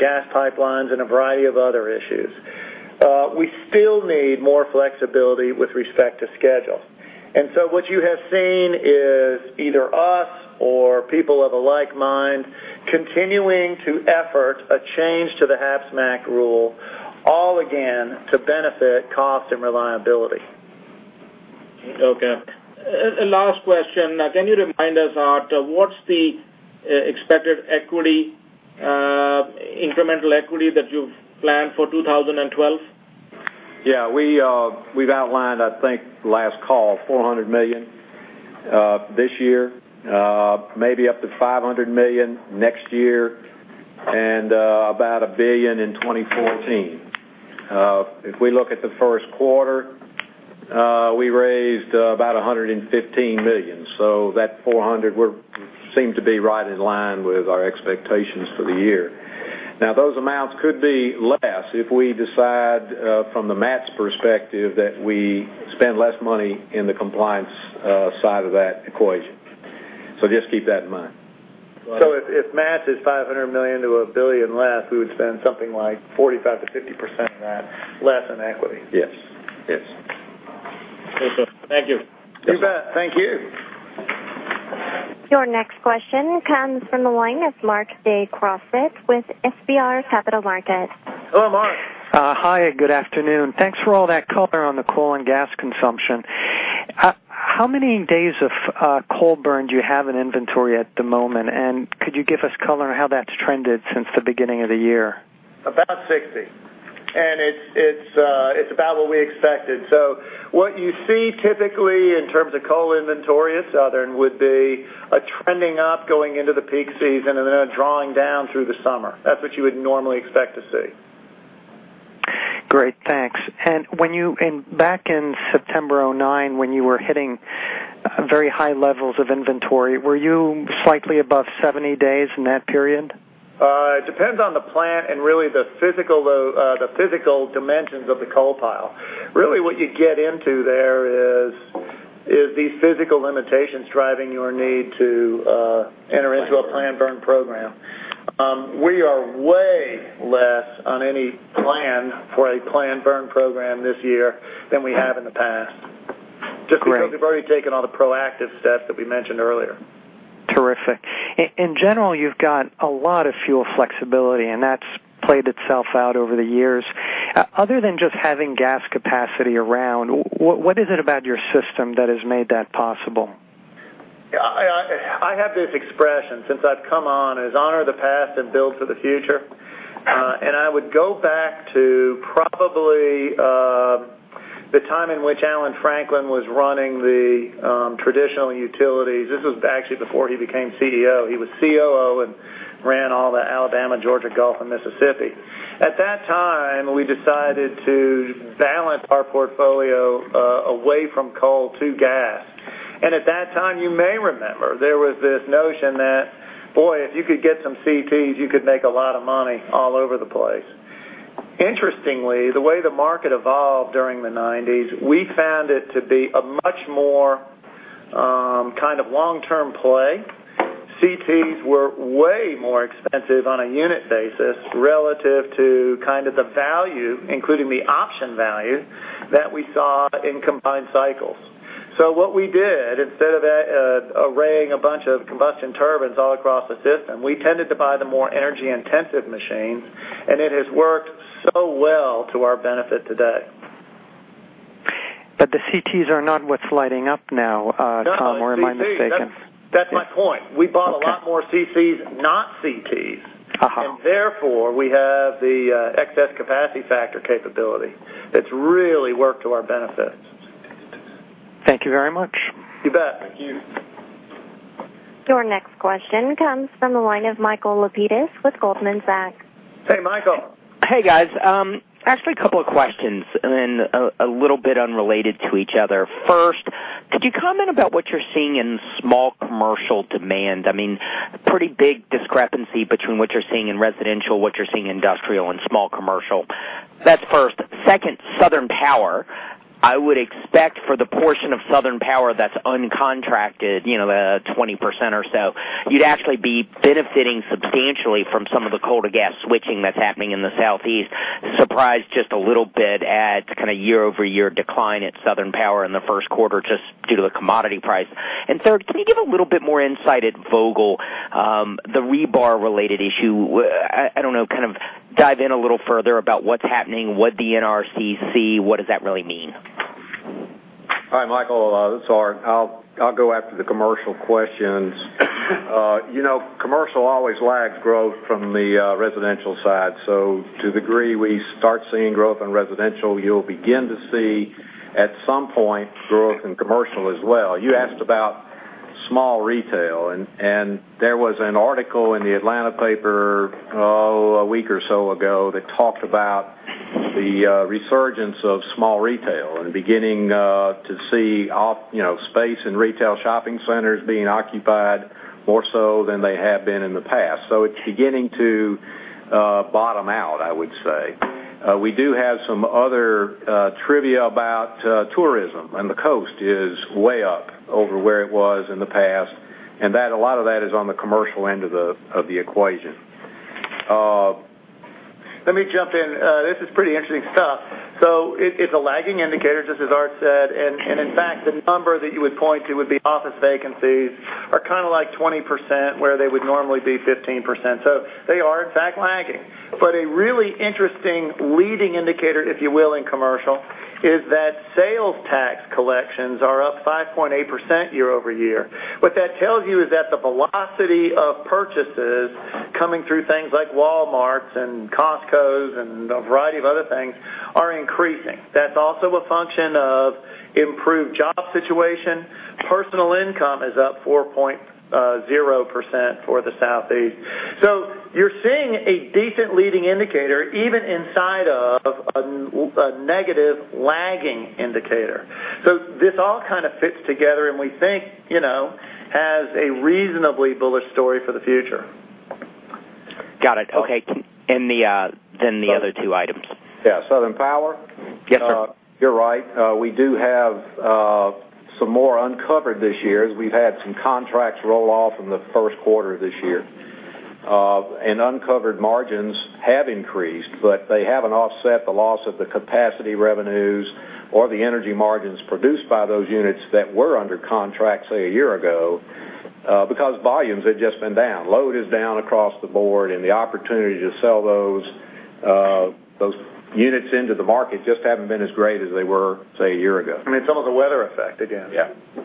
gas pipelines, and a variety of other issues. We still need more flexibility with respect to schedule. What you have seen is either us or people of a like mind continuing to effort a change to the HAPs MACT rule, all again to benefit cost and reliability. Okay. Last question. Can you remind us, Art, what's the expected incremental equity that you've planned for 2012? Yeah, we've outlined, I think, the last call, $400 million this year, maybe up to $500 million next year, and about $1 billion in 2014. If we look at the first quarter, we raised about $115 million. That $400 million seems to be right in line with our expectations for the year. Now, those amounts could be less if we decide from the match perspective that we spend less money in the compliance side of that equation. Just keep that in mind. If MATS is $500 million-$1 billion less, we would spend something like 45%-50% in that, less in equity. Yes. Yes. Thank you. You bet. Thank you. Your next question comes from the line of Marc De Croisset with FBR Capital Markets. Hello, Marc. Hi, and good afternoon. Thanks for all that color on the coal and gas consumption. How many days of coal burn do you have in inventory at the moment? Could you give us color on how that's trended since the beginning of the year? About 60. It's about what we expected. What you see typically in terms of coal inventory at Southern Company would be a trending up going into the peak season, then a drawing down through the summer. That's what you would normally expect to see. Great, thanks. When you back in September 2009, when you were hitting very high levels of inventory, were you slightly above 70 days in that period? It depends on the plant and really the physical dimensions of the coal pile. What you get into there is these physical limitations driving your need to enter into a plan burn program. We are way less on any plan for a plan burn program this year than we have in the past. Great. Because we've already taken all the proactive steps that we mentioned earlier. Terrific. In general, you've got a lot of fuel flexibility, and that's played itself out over the years. Other than just having gas capacity around, what is it about your system that has made that possible? I have this expression, since I've come on, is honor the past and build for the future. I would go back to probably the time in which Allen Franklin was running the traditional utilities. This was actually before he became CEO. He was COO and ran all the Alabama, Georgia, Gulf, and Mississippi. At that time, we decided to balance our portfolio away from coal to gas. At that time, you may remember, there was this notion that, boy, if you could get some CTs, you could make a lot of money all over the place. Interestingly, the way the market evolved during the 1990s, we found it to be a much more kind of long-term play. CTs were way more expensive on a unit basis relative to the value, including the option value that we saw in combined cycles. What we did, instead of arraying a bunch of combustion turbines all across the system, we tended to buy the more energy-intensive machines, and it has worked so well to our benefit today. The CTs are not what's lighting up now, Tom. No, that's my point. We bought a lot more CTs, not CTs, and therefore, we have the excess capacity factor capability that's really worked to our benefit. Thank you very much. You bet. Thank you. Your next question comes from the line of Michael Lapides with Goldman Sachs. Hey, Michael. Hey, guys. Ask me a couple of questions, and a little bit unrelated to each other. First, could you comment about what you're seeing in small commercial demand? I mean, a pretty big discrepancy between what you're seeing in residential, what you're seeing in industrial, and small commercial. That's first. Second, Southern Power, I would expect for the portion of Southern Power that's uncontracted, you know, the 20% or so, you'd actually be benefiting substantially from some of the coal-to-gas switching that's happening in the Southeast. Surprised just a little bit at the kind of year-over-year decline at Southern Power in the first quarter just due to the commodity price. Third, can you give a little bit more insight at Vogtle, the rebar-related issue? I don't know, kind of dive in a little further about what's happening, what the NRC see, what does that really mean? Hi, Michael. Sorry. I'll go after the commercial questions. You know, commercial always lags growth from the residential side. To the degree we start seeing growth on residential, you'll begin to see at some point growth in commercial as well. You asked about small retail, and there was an article in the Atlanta paper a week or so ago that talked about the resurgence of small retail and beginning to see, you know, space in retail shopping centers being occupied more so than they have been in the past. It's beginning to bottom out, I would say. We do have some other trivia about tourism, and the coast is way up over where it was in the past. A lot of that is on the commercial end of the equation. Let me jump in. This is pretty interesting stuff. It is a lagging indicator, just as Art said. In fact, the number that you would point to would be office vacancies are kind of like 20% where they would normally be 15%. They are, in fact, lagging. A really interesting leading indicator, if you will, in commercial is that sales tax collections are up 5.8% year-over-year. What that tells you is that the velocity of purchases coming through things like Walmarts and Costcos and a variety of other things are increasing. That is also a function of improved job situation. Personal income is up 4.0% for the Southeast. You are seeing a decent leading indicator even inside of a negative lagging indicator. This all kind of fits together, and we think, you know, has a reasonably bullish story for the future. Got it. Okay, the other two items. Yeah, Southern Power. Yes, sir. You're right. We do have some more uncovered this year as we've had some contracts roll off in the first quarter of this year. Uncovered margins have increased, but they haven't offset the loss of the capacity revenues or the energy margins produced by those units that were under contract, say, a year ago, because volumes have just been down. Load is down across the board, and the opportunity to sell those units into the market just haven't been as great as they were, say, a year ago. I mean, some of the weather affected, yeah. Yeah.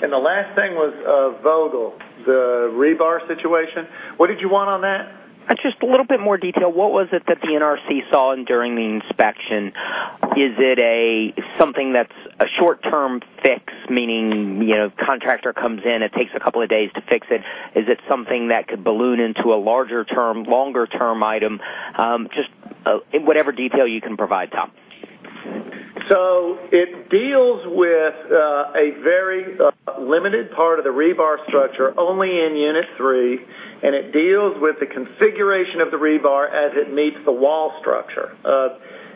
The last thing was Vogtle, the rebar situation. What did you want on that? Just a little bit more detail. What was it that the NRC saw during the inspection? Is it something that's a short-term fix, meaning, you know, the contractor comes in, it takes a couple of days to fix it? Is it something that could balloon into a larger term, longer-term item? Just in whatever detail you can provide, Tom. It deals with a very limited part of the rebar structure only in Unit 3, and it deals with the configuration of the rebar as it meets the wall structure.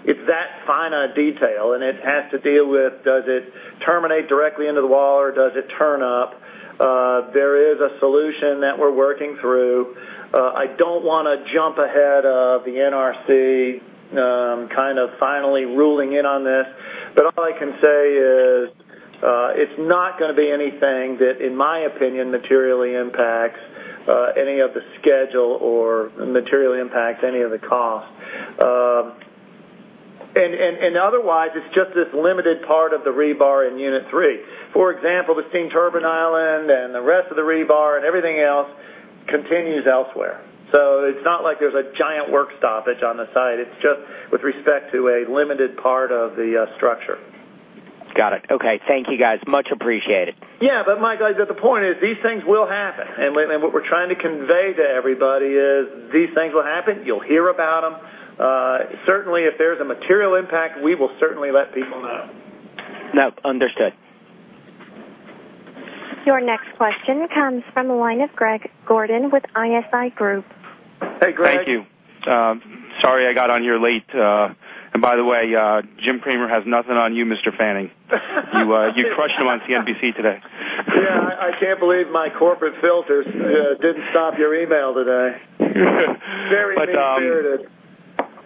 It's that finite detail, and it has to deal with, does it terminate directly into the wall or does it turn up? There is a solution that we're working through. I don't want to jump ahead of the NRC finally ruling in on this, but all I can say is it's not going to be anything that, in my opinion, materially impacts any of the schedule or materially impacts any of the cost. Otherwise, it's just this limited part of the rebar in Unit 3. For example, the steam turbine island and the rest of the rebar and everything else continues elsewhere. It's not like there's a giant work stoppage on the site. It's just with respect to a limited part of the structure. Got it. Okay. Thank you, guys. Much appreciated. Mike, the point is these things will happen. What we're trying to convey to everybody is these things will happen. You'll hear about them. Certainly, if there's a material impact, we will certainly let people know. No, understood. Your next question comes from the line of Greg Gordon with ISI Group. Hey, Greg. Thank you. Sorry I got on your lead. By the way, Jim Cramer has nothing on you, Mr. Fanning. You crushed him on CNBC today. Yeah, I can't believe my corporate filters didn't stop your email today. Very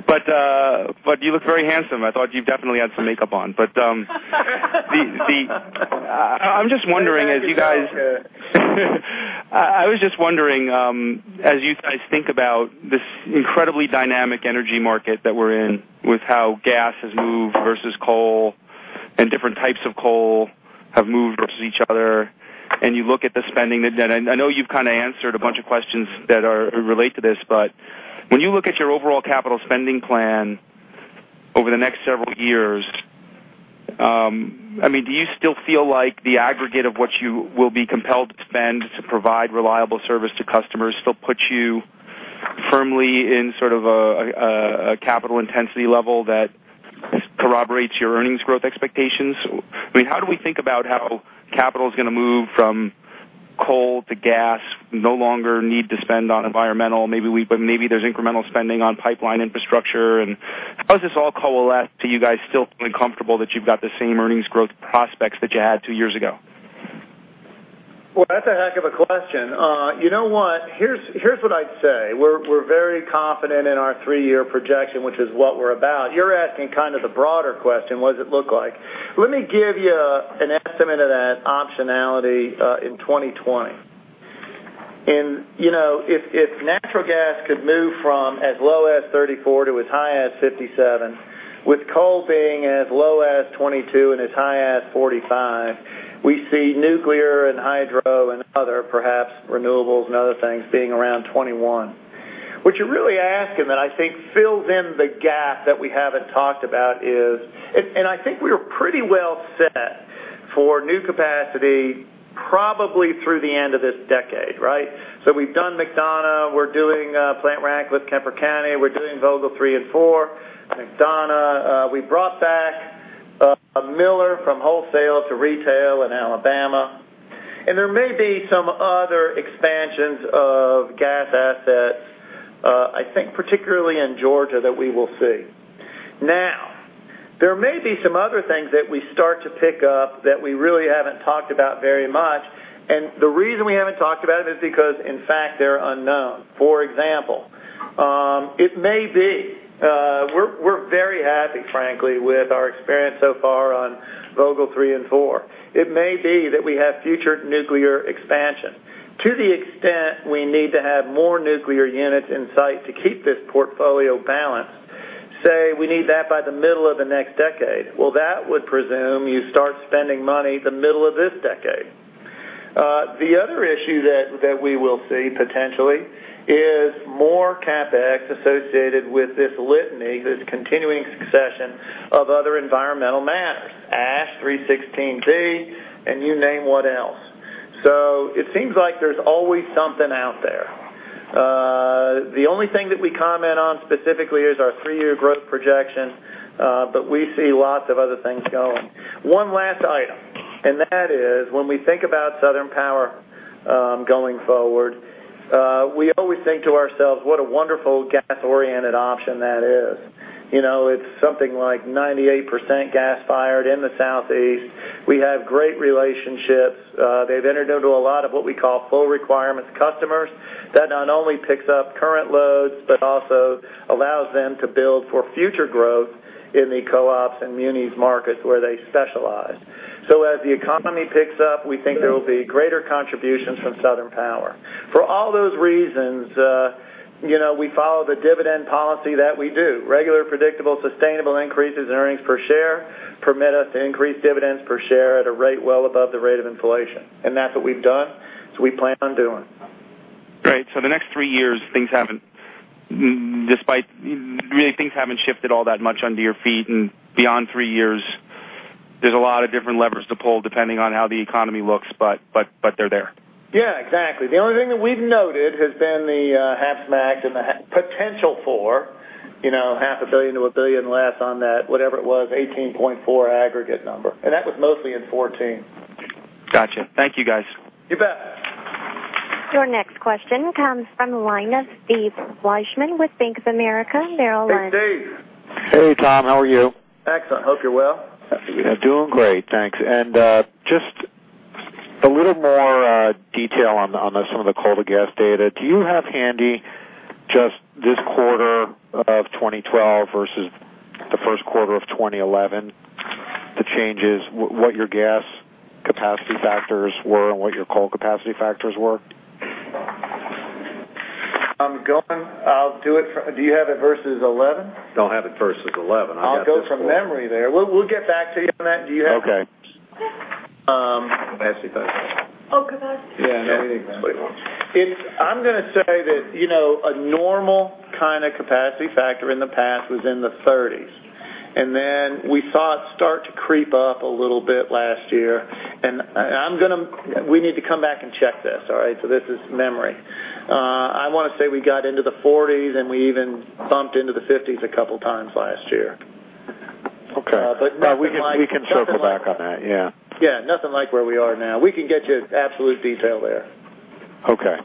intuitive. You look very handsome. I thought you definitely had some makeup on. I'm just wondering, as you guys think about this incredibly dynamic energy market that we're in with how gas has moved versus coal and different types of coal have moved versus each other, and you look at the spending that I know you've kind of answered a bunch of questions that relate to this, when you look at your overall capital spending plan over the next several years, do you still feel like the aggregate of what you will be compelled to spend to provide reliable service to customers still puts you firmly in sort of a capital intensity level that corroborates your earnings growth expectations? How do we think about how capital is going to move from coal to gas, no longer need to spend on environmental, but maybe there's incremental spending on pipeline infrastructure? How does this all coalesce to you guys still feeling comfortable that you've got the same earnings growth prospects that you had two years ago? That's a heck of a question. You know what? Here's what I'd say. We're very confident in our three-year projection, which is what we're about. You're asking kind of the broader question, what does it look like? Let me give you an estimate of that optionality in 2020. You know, if natural gas could move from as low as $34 to as high as $57, with coal being as low as $22 and as high as $45, we see nuclear and hydro and other perhaps renewables and other things being around $21. What you're really asking that I think fills in the gap that we haven't talked about is, I think we were pretty well set for new capacity probably through the end of this decade, right? We've done Plant McDonough. We're doing plant rack with the Kemper County energy facility. We're doing Plant Vogtle 3 and 4. Plant McDonough. We brought back Miller from wholesale to retail in Alabama. There may be some other expansions of gas assets, I think particularly in Georgia, that we will see. There may be some other things that we start to pick up that we really haven't talked about very much. The reason we haven't talked about it is because, in fact, they're unknown. For example, it may be, we're very happy, frankly, with our experience so far on Plant Vogtle 3 and 4. It may be that we have future nuclear expansion. To the extent we need to have more nuclear units in sight to keep this portfolio balanced, say we need that by the middle of the next decade. That would presume you start spending money the middle of this decade. The other issue that we will see potentially is more CapEx associated with this litany that is continuing succession of other environmental matters, 316(b), and you name what else. It seems like there's always something out there. The only thing that we comment on specifically is our three-year growth projection, but we see lots of other things going. One last item, when we think about Southern Power going forward, we always think to ourselves, what a wonderful gas-oriented option that is. You know, it's something like 98% gas fired in the Southeast. We have great relationships. They've entered into a lot of what we call flow requirements customers that not only picks up current loads, but also allows them to build for future growth in the co-ops and munis markets where they specialize. As the economy picks up, we think there will be greater contributions from Southern Power. For all those reasons, we follow the dividend policy that we do. Regular predictable sustainable increases in earnings per share permit us to increase dividends per share at a rate well above the rate of inflation. That's what we've done. It's what we plan on doing. The next three years, things haven't, despite really, things haven't shifted all that much under your feet. Beyond three years, there's a lot of different levers to pull depending on how the economy looks, but they're there. Yeah, exactly. The only thing that we've noted has been the HAPs MACT and the potential for, you know, $500 million-$1 billion less on that, whatever it was, $18.4 billion aggregate number. That was mostly in 2014. Gotcha. Thank you, guys. You bet. Your next question comes from the line of Steve Fleishman from Bank of America Merrill Lynch. Hey, Dave. Hey, Tom. How are you? Excellent. Hope you're well. Yeah, doing great. Thanks. Just a little more detail on some of the coal-to-gas data. Do you have handy just this quarter of 2012 versus the first quarter of 2011, the changes, what your gas capacity factors were, and what your coal capacity factors were? I'll do it from, do you have it versus 2011? Don't have it versus 2011. I'll go from memory. We'll get back to you on that. Do you have it? Okay. Capacity factor. Oh, capacity. Yeah, I know what you want. I'm going to say that, you know, a normal kind of capacity factor in the past was in the 30s. We saw it start to creep up a little bit last year. We need to come back and check this, all right? This is memory. I want to say we got into the 40s and we even bumped into the 50s a couple of times last year. Okay. Nothing like. We can circle back on that. Yes. Yeah, nothing like where we are now. We can get you absolute detail there. Okay.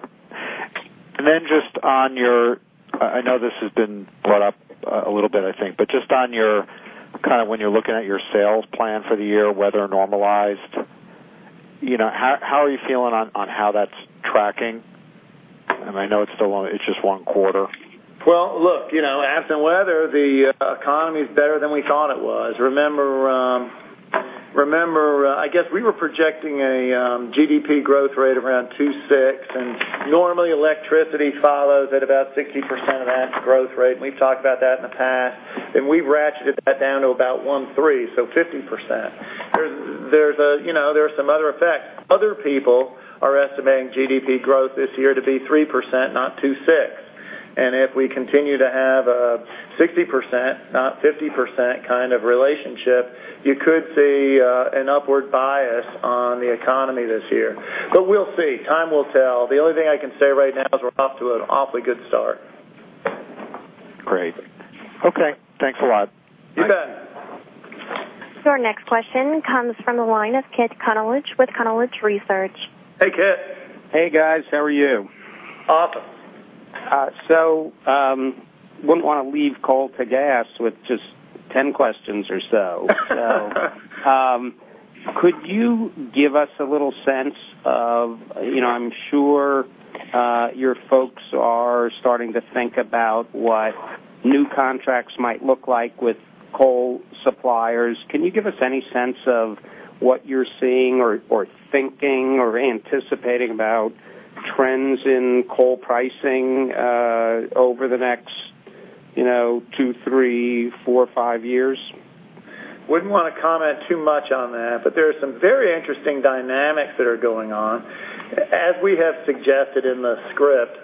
Just on your, I know this has been brought up a little bit, I think, just on your kind of when you're looking at your sales plan for the year, whether normalized, you know, how are you feeling on how that's tracking? I know it's still on, it's just one quarter. You know, as in weather, the economy is better than we thought it was. Remember, I guess we were projecting a GDP growth rate of around 2.6%, and normally electricity follows at about 60% of that growth rate. We've talked about that in the past. We've ratcheted that down to about 1.3%, so 50%. There are some other effects. Other people are estimating GDP growth this year to be 3%, not 2.6%. If we continue to have a 60%, not 50% kind of relationship, you could see an upward bias on the economy this year. We'll see. Time will tell. The only thing I can say right now is we're off to an awfully good start. Great. Okay, thanks a lot. You bet. Your next question comes from the line of Kit Konolige from Konolige Research. Hey, Kit. Hey, guys. How are you? Awesome. I wouldn't want to leave coal to gas with just 10 questions or so. Could you give us a little sense of, you know, I'm sure your folks are starting to think about what new contracts might look like with coal suppliers. Can you give us any sense of what you're seeing or thinking or anticipating about trends in coal pricing over the next, you know, two, three, four, five years? Wouldn't want to comment too much on that, but there are some very interesting dynamics that are going on. As we have suggested in the script,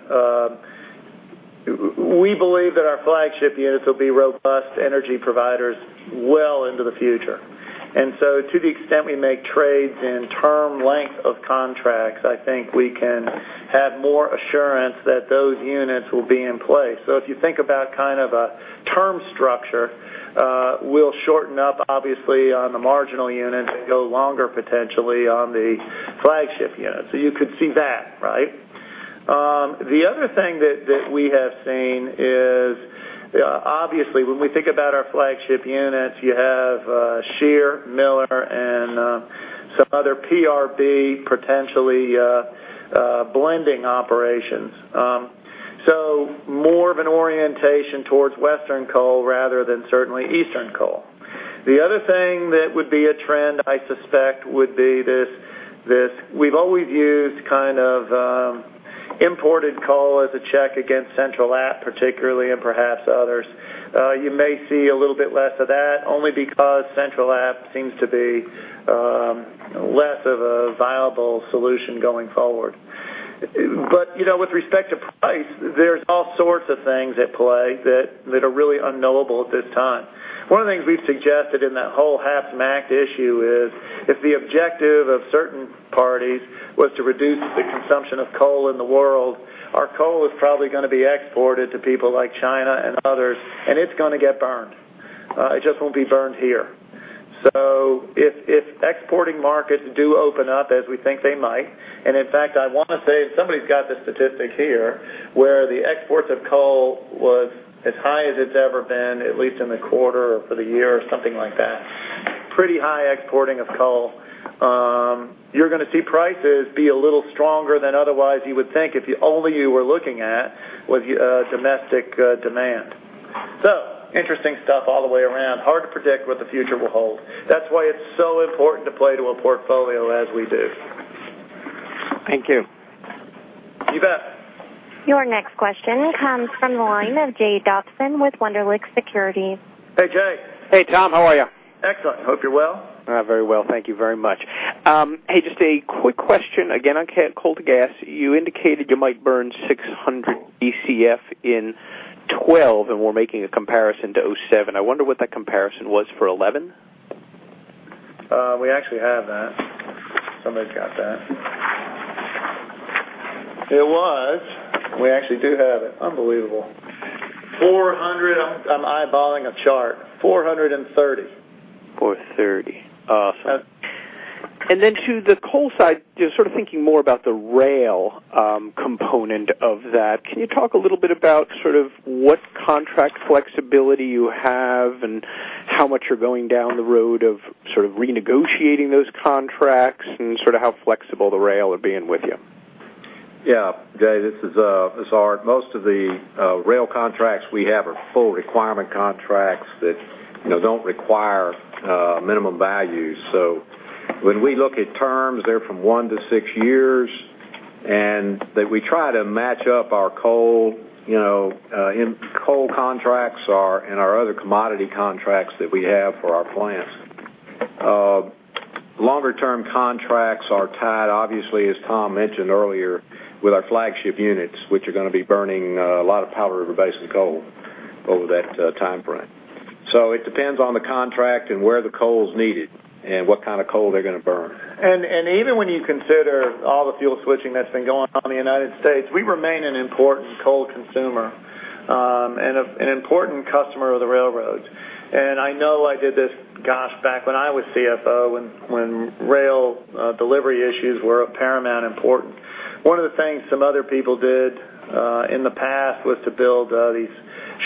we believe that our flagship units will be robust energy providers well into the future. To the extent we make trades in term length of contracts, I think we can have more assurance that those units will be in place. If you think about kind of a term structure, we'll shorten up, obviously, on the marginal units and go longer potentially on the flagship units. You could see that, right? The other thing that we have seen is, obviously, when we think about our flagship units, you have Shear, Miller, and some other PRB potentially blending operations. More of an orientation towards Western coal rather than certainly Eastern coal. The other thing that would be a trend, I suspect, would be this. We've always used kind of imported coal as a check against Central App, particularly, and perhaps others. You may see a little bit less of that, only because Central App seems to be less of a viable solution going forward. With respect to price, there's all sorts of things at play that are really unknowable at this time. One of the things we've suggested in that whole HAPs MACT issue is if the objective of certain parties was to reduce the consumption of coal in the world, our coal is probably going to be exported to people like China and others, and it's going to get burned. It just won't be burned here. If exporting markets do open up, as we think they might, and in fact, I want to say, and somebody's got the statistics here where the exports of coal was as high as it's ever been, at least in the quarter or for the year or something like that. Pretty high exporting of coal. You're going to see prices be a little stronger than otherwise you would think if only you were looking at domestic demand. Interesting stuff all the way around. Hard to predict what the future will hold. That's why it's so important to play to a portfolio as we do. Thank you. You bet. Your next question comes from the line of Jay Dobson with Wunderlich Securities. Hey, Jay. Hey, Tom. How are you? Excellent. Hope you're well. Very well. Thank you very much. Hey, just a quick question. Again, on coal to gas, you indicated you might burn 600 Bcf in 2012, and we're making a comparison to 2007. I wonder what that comparison was for 2011? We actually have that. Somebody's got that. We actually do have it. Unbelievable. 400Bcf, I'm eyeballing a chart. 430Bcf. Awesome. To the coal side, you're sort of thinking more about the rail component of that. Can you talk a little bit about what contract flexibility you have and how much you're going down the road of renegotiating those contracts and how flexible the rail are being with you? Yeah, Jay, this is Art. Most of the rail contracts we have are full requirement contracts that don't require minimum values. When we look at terms, they're from one to six years, and we try to match up our coal in coal contracts and our other commodity contracts that we have for our plants. Longer-term contracts are tied, obviously, as Tom mentioned earlier, with our flagship units, which are going to be burning a lot of Powder River Basin coal over that timeframe. It depends on the contract and where the coal is needed and what kind of coal they're going to burn. Even when you consider all the fuel switching that's been going on in the United States, we remain an important coal consumer and an important customer of the railroads. I know I did this, gosh, back when I was CFO when rail delivery issues were of paramount importance. One of the things some other people did in the past was to build these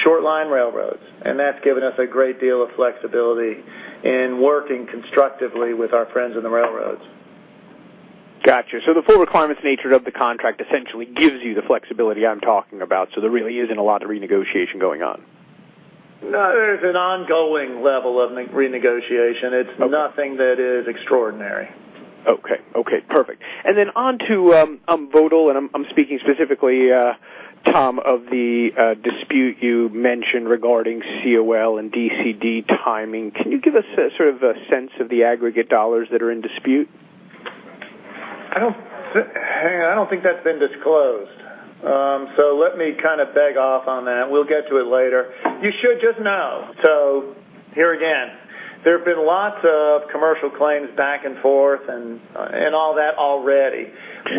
short line railroads, and that's given us a great deal of flexibility in working constructively with our friends in the railroads. Gotcha. The full requirements nature of the contract essentially gives you the flexibility I'm talking about, so there really isn't a lot of renegotiation going on. No, there is an ongoing level of renegotiation. It's nothing that is extraordinary. Okay. Perfect. On to Vogtle, and I'm speaking specifically, Tom, of the dispute you mentioned regarding COL and DCD timing. Can you give us sort of a sense of the aggregate dollars that are in dispute? Hang on. I don't think that's been disclosed. Let me kind of beg off on that. We'll get to it later. You should just know, here again, there have been lots of commercial claims back and forth and all that already.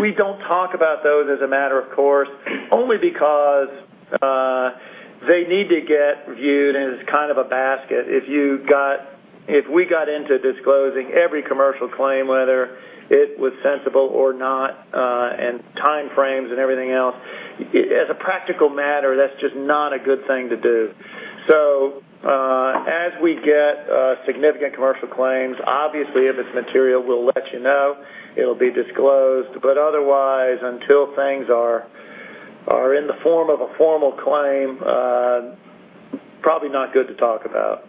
We don't talk about those as a matter of course, only because they need to get viewed as kind of a basket. If we got into disclosing every commercial claim, whether it was sensible or not, and timeframes and everything else, as a practical matter, that's just not a good thing to do. As we get significant commercial claims, obviously, if it's material, we'll let you know. It'll be disclosed. Otherwise, until things are in the form of a formal claim, probably not good to talk about.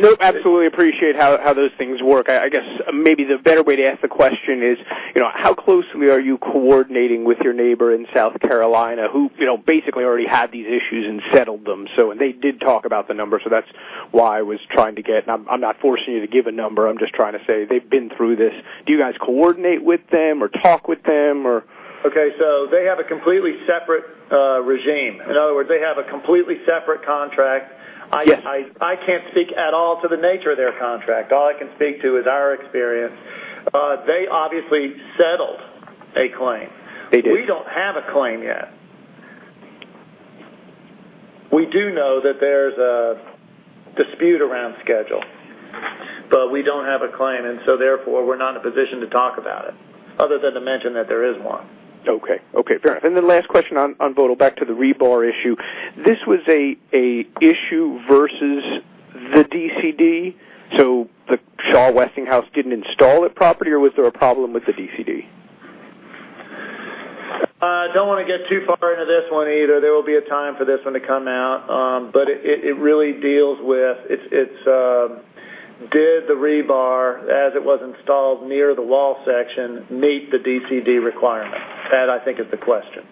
No, absolutely appreciate how those things work. I guess maybe the better way to ask the question is, you know, how closely are you coordinating with your neighbor in South Carolina who, you know, basically already had these issues and settled them? They did talk about the number. That's why I was trying to get, and I'm not forcing you to give a number. I'm just trying to say they've been through this. Do you guys coordinate with them or talk with them or? Okay. They have a completely separate regime. In other words, they have a completely separate contract. I can't speak at all to the nature of their contract. All I can speak to is our experience. They obviously settled a claim. They did. We don't have a claim yet. We do know that. is a dispute around schedule. We do not have a client, and therefore we are not in a position to talk about it, other than to mention that there is one. Okay. Fair enough. Last question on Vogtle, back to the rebar issue. This was an issue versus the DCD? The Shaw Westinghouse didn't install it properly, or was there a problem with the DCD? I don't want to get too far into this one either. There will be a time for this one to come out. It really deals with, did the rebar, as it was installed near the wall section, meet the DCD requirement? That, I think, is the question.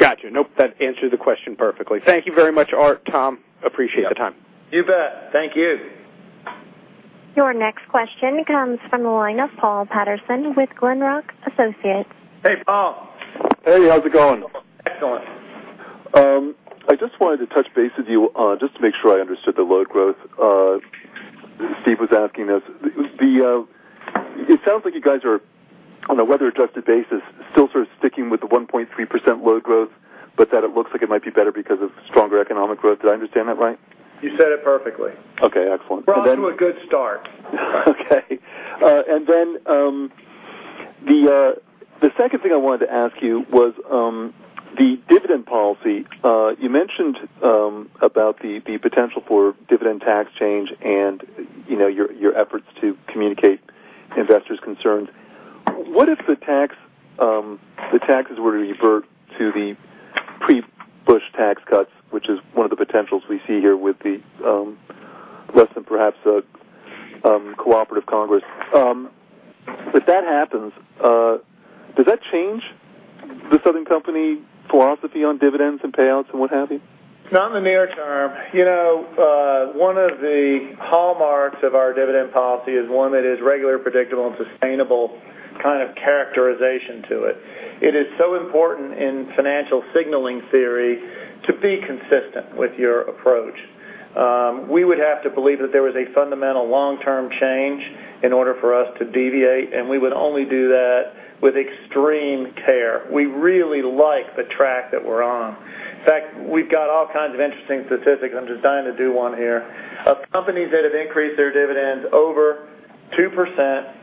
Gotcha. Nope, that answered the question perfectly. Thank you very much, Art, Tom. Appreciate the time. You bet. Thank you. Your next question comes from the line of Paul Patterson with Glenrock Associates. Hey, Paul. Hey, how's it going? Excellent. I just wanted to touch base with you to make sure I understood the load growth. Steve was asking us, it sounds like you guys are, on a weather-adjusted basis, still sort of sticking with the 1.3% load growth, but that it looks like it might be better because of stronger economic growth. Did I understand that right? You said it perfectly. Okay. Excellent. We're off to a good start. Okay. The second thing I wanted to ask you was the dividend policy. You mentioned about the potential for dividend tax change and your efforts to communicate investors' concerns. What if the taxes were to revert to the pre-Bush tax cuts, which is one of the potentials we see here with the less than perhaps a cooperative Congress? If that happens, does that change the Southern Company philosophy on dividends and payouts and what have you? Not in the near term. You know, one of the hallmarks of our dividend policy is one that is regular, predictable, and sustainable kind of characterization to it. It is so important in financial signaling theory to be consistent with your approach. We would have to believe that there was a fundamental long-term change in order for us to deviate, and we would only do that with extreme care. We really like the track that we're on. In fact, we've got all kinds of interesting statistics. I'm just dying to do one here. Companies that have increased their dividends over 2%, that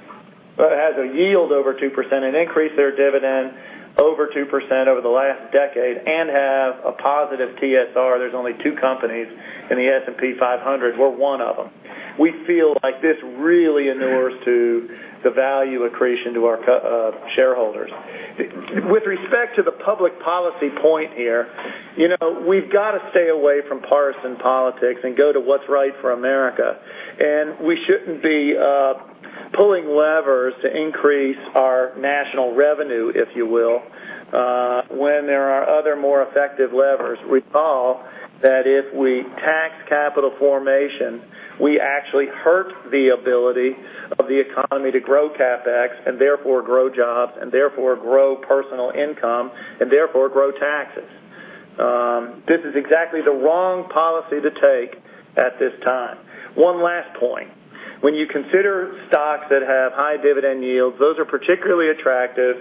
has a yield over 2%, and increased their dividend over 2% over the last decade and have a positive TSR. There's only two companies in the S&P 500. We're one of them. We feel like this really inures the value accretion to our shareholders. With respect to the public policy point here, you know, we've got to stay away from partisan politics and go to what's right for America. We shouldn't be pulling levers to increase our national revenue, if you will, when there are other more effective levers. Recall that if we tax capital formation, we actually hurt the ability of the economy to grow CapEx and therefore grow jobs and therefore grow personal income and therefore grow taxes. This is exactly the wrong policy to take at this time. One last point. When you consider stocks that have high dividend yields, those are particularly attractive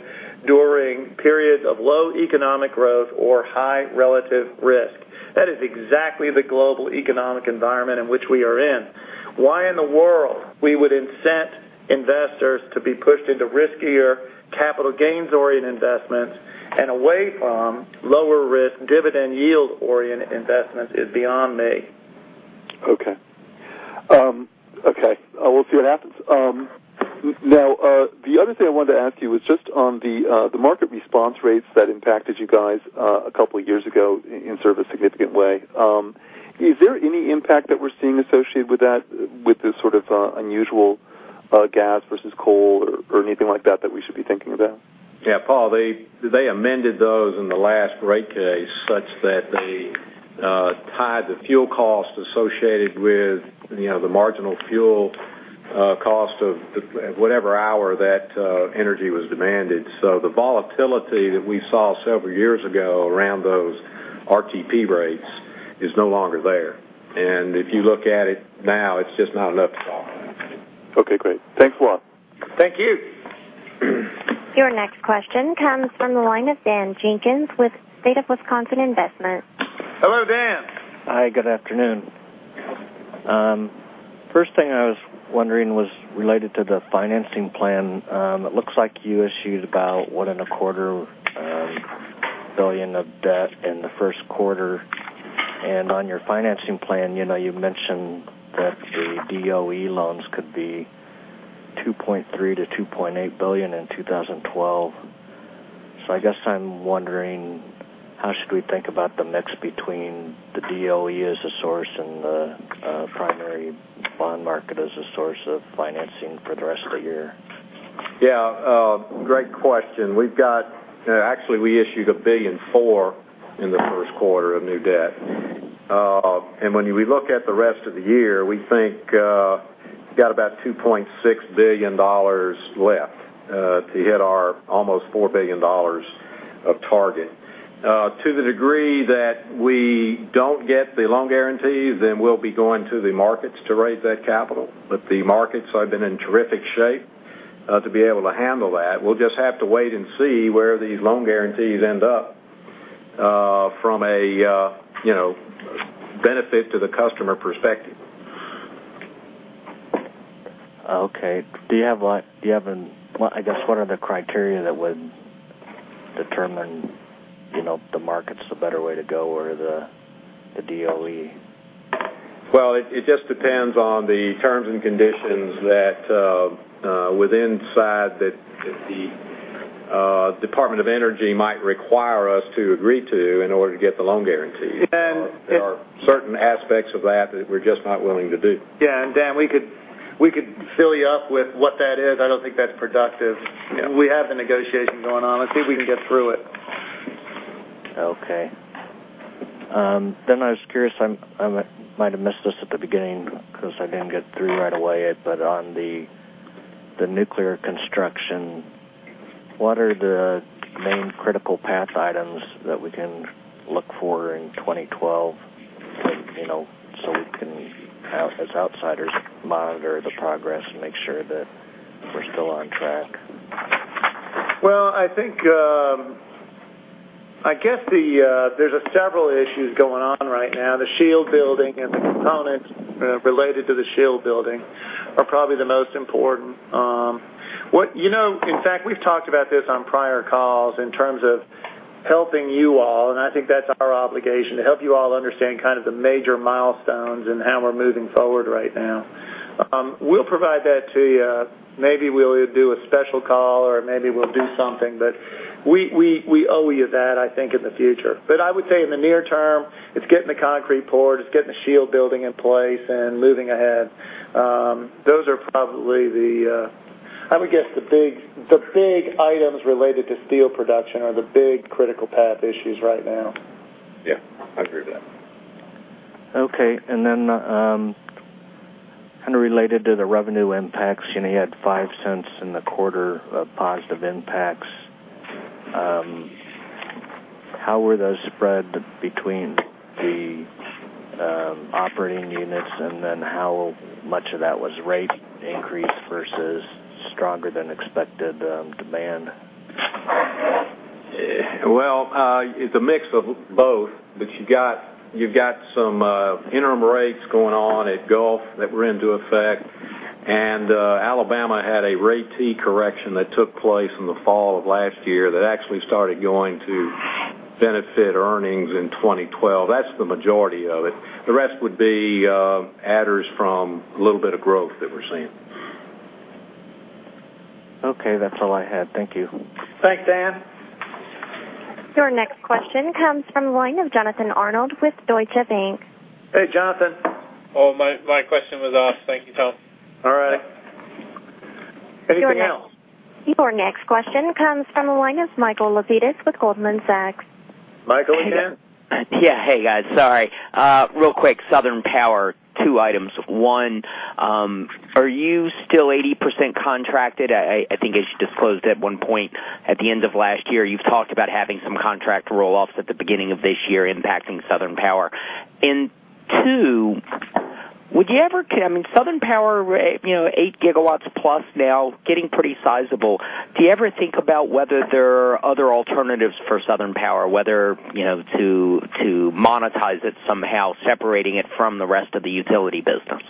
during periods of low economic growth or high relative risk. That is exactly the global economic environment in which we are in. Why in the world we would incent investors to be pushed into riskier capital gains-oriented investments and away from lower risk dividend yield-oriented investments is beyond me. Okay. We'll see what happens. Now, the other thing I wanted to ask you was just on the market response rates that impacted you guys a couple of years ago in sort of a significant way. Is there any impact that we're seeing associated with that, with this sort of unusual gas versus coal or anything like that that we should be thinking about? Yeah, Paul, they amended those in the last rate case such that they tied the fuel cost associated with the marginal fuel cost of whatever hour that energy was demanded. The volatility that we saw several years ago around those RTP rates is no longer there. If you look at it now, it's just not enough to solve it. Okay, great. Thanks a lot. Thank you. Your next question comes from the line of Dan Jenkins with State of Wisconsin Investment. Hello, Dan. Hi, good afternoon. First thing I was wondering was related to the financing plan. It looks like you issued about $1.25 billion of debt in the first quarter. On your financing plan, you mentioned that the DOE loans could be $2.3 billion-$2.8 billion in 2012. I guess I'm wondering, how should we think about the mix between the DOE as a source and the primary bond market as a source of financing for the rest of the year? Great question. We've got, actually, we issued $1.4 billion in the first quarter of new debt. When we look at the rest of the year, we think we've got about $2.6 billion left to hit our almost $4 billion target. To the degree that we don't get the loan guarantees, we'll be going to the markets to raise that capital. The markets have been in terrific shape to be able to handle that. We'll just have to wait and see where these loan guarantees end up from a benefit to the customer perspective. Okay. Do you have, I guess, what are the criteria that would determine, you know, the markets the better way to go or the DOE? It just depends on the terms and conditions that with inside that the Department of Energy might require us to agree to in order to get the loan guaranteed. There are certain aspects of that that we're just not willing to do. Dan, we could fill you up with what that is. I don't think that's productive. We have the negotiation going on. Let's see if we can get through it. Okay. I was curious, I might have missed this at the beginning because I didn't get through right away, but on the nuclear construction, what are the main critical path items that we can look for in 2012, you know, so we can, as outsiders, monitor the progress and make sure that we're still on track? I think there's several issues going on right now. The shield building and the components related to the shield building are probably the most important. In fact, we've talked about this on prior calls in terms of helping you all, and I think that's our obligation to help you all understand kind of the major milestones and how we're moving forward right now. We'll provide that to you. Maybe we'll do a special call or maybe we'll do something, but we owe you that, I think, in the future. I would say in the near term, it's getting the concrete poured, it's getting the shield building in place, and moving ahead. Those are probably the, I would guess, the big items related to steel production are the big critical path issues right now. Yeah, I agree with that. Okay. Kind of related to the revenue impacts, you had $0.05 in the quarter of positive impacts. How were those spread between the operating units, and how much of that was rate increase versus stronger than expected demand? It is a mix of both, but you've got some interim rates going on at Gulf that were into effect. Alabama had a rate T correction that took place in the fall of last year that actually started going to benefit earnings in 2012. That's the majority of it. The rest would be adders from a little bit of growth that we're seeing. Okay, that's all I had. Thank you. Thanks, Dan. Your next question comes from the line of Jonathan Arnold with Deutsche Bank. Hey, Jonathan. Oh, my question was off. Thank you, Tom. All right. Hey, Dan. Your next question comes from the line of Michael Lapides with Goldman Sachs. Michael again? Yeah. Hey, guys. Sorry. Real quick, Southern Power, two items. One, are you still 80% contracted? I think as you disclosed at one point at the end of last year, you've talked about having some contract roll-offs at the beginning of this year impacting Southern Power. Two, would you ever, I mean, Southern Power, you know, 8 gigawatts plus now, getting pretty sizable. Do you ever think about whether there are other alternatives for Southern Power, whether, you know, to monetize it somehow, separating it from the rest of the utility business?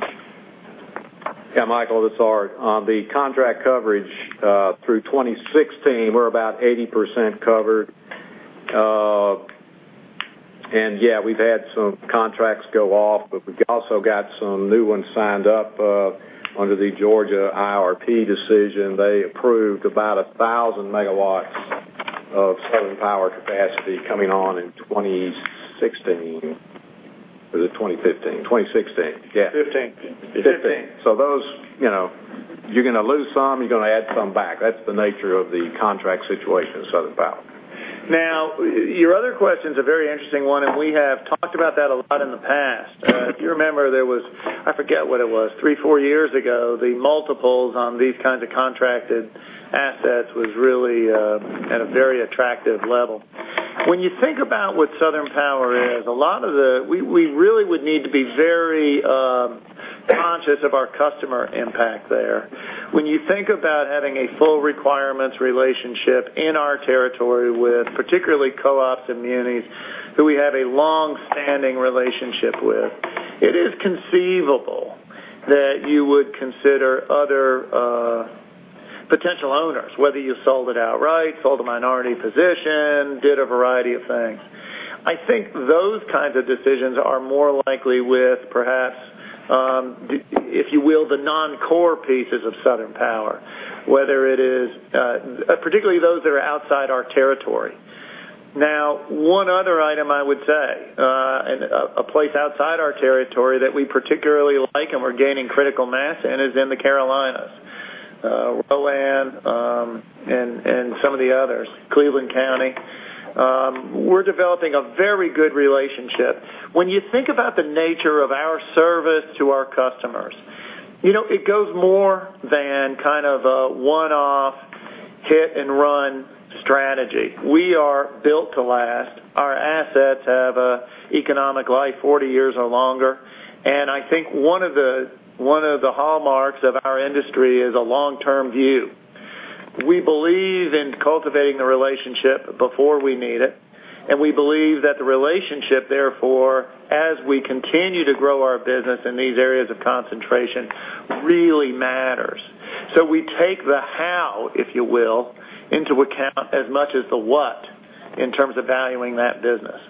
Yeah, Michael, that's hard. On the contract coverage through 2016, we're about 80% covered. We've had some contracts go off, but we've also got some new ones signed up under the Georgia IRP decision. They approved about 1,000 MW of Southern Power capacity coming on in 2016 or the 2015. 2016, yeah. 15. Those, you know, you're going to lose some, you're going to add some back. That's the nature of the contract situation at Southern Power. Now, your other question is a very interesting one, and we have talked about that a lot in the past. You remember there was, I forget what it was, three or four years ago, the multiples on these kinds of contracted assets were really at a very attractive level. When you think about what Southern Power is, we really would need to be very conscious of our customer impact there. When you think about having a full requirements relationship in our territory with particularly co-ops and munis who we have a long-standing relationship with, it is conceivable that you would consider other potential owners, whether you sold it outright, sold a minority position, or did a variety of things. I think those kinds of decisions are more likely with, perhaps, if you will, the non-core pieces of Southern Power, particularly those that are outside our territory. Now, one other item I would say, and a place outside our territory that we particularly like and we're gaining critical mass in, is in the Carolinas, Roland and some of the others, Cleveland County. We're developing a very good relationship. When you think about the nature of our service to our customers, it goes more than kind of a one-off hit-and-run strategy. We are built to last. Our assets have an economic life of 40 years or longer. I think one of the hallmarks of our industry is a long-term view. We believe in cultivating the relationship before we need it. We believe that the relationship, therefore, as we continue to grow our business in these areas of concentration, really matters. We take the how, if you will, into account as much as the what in terms of valuing that business.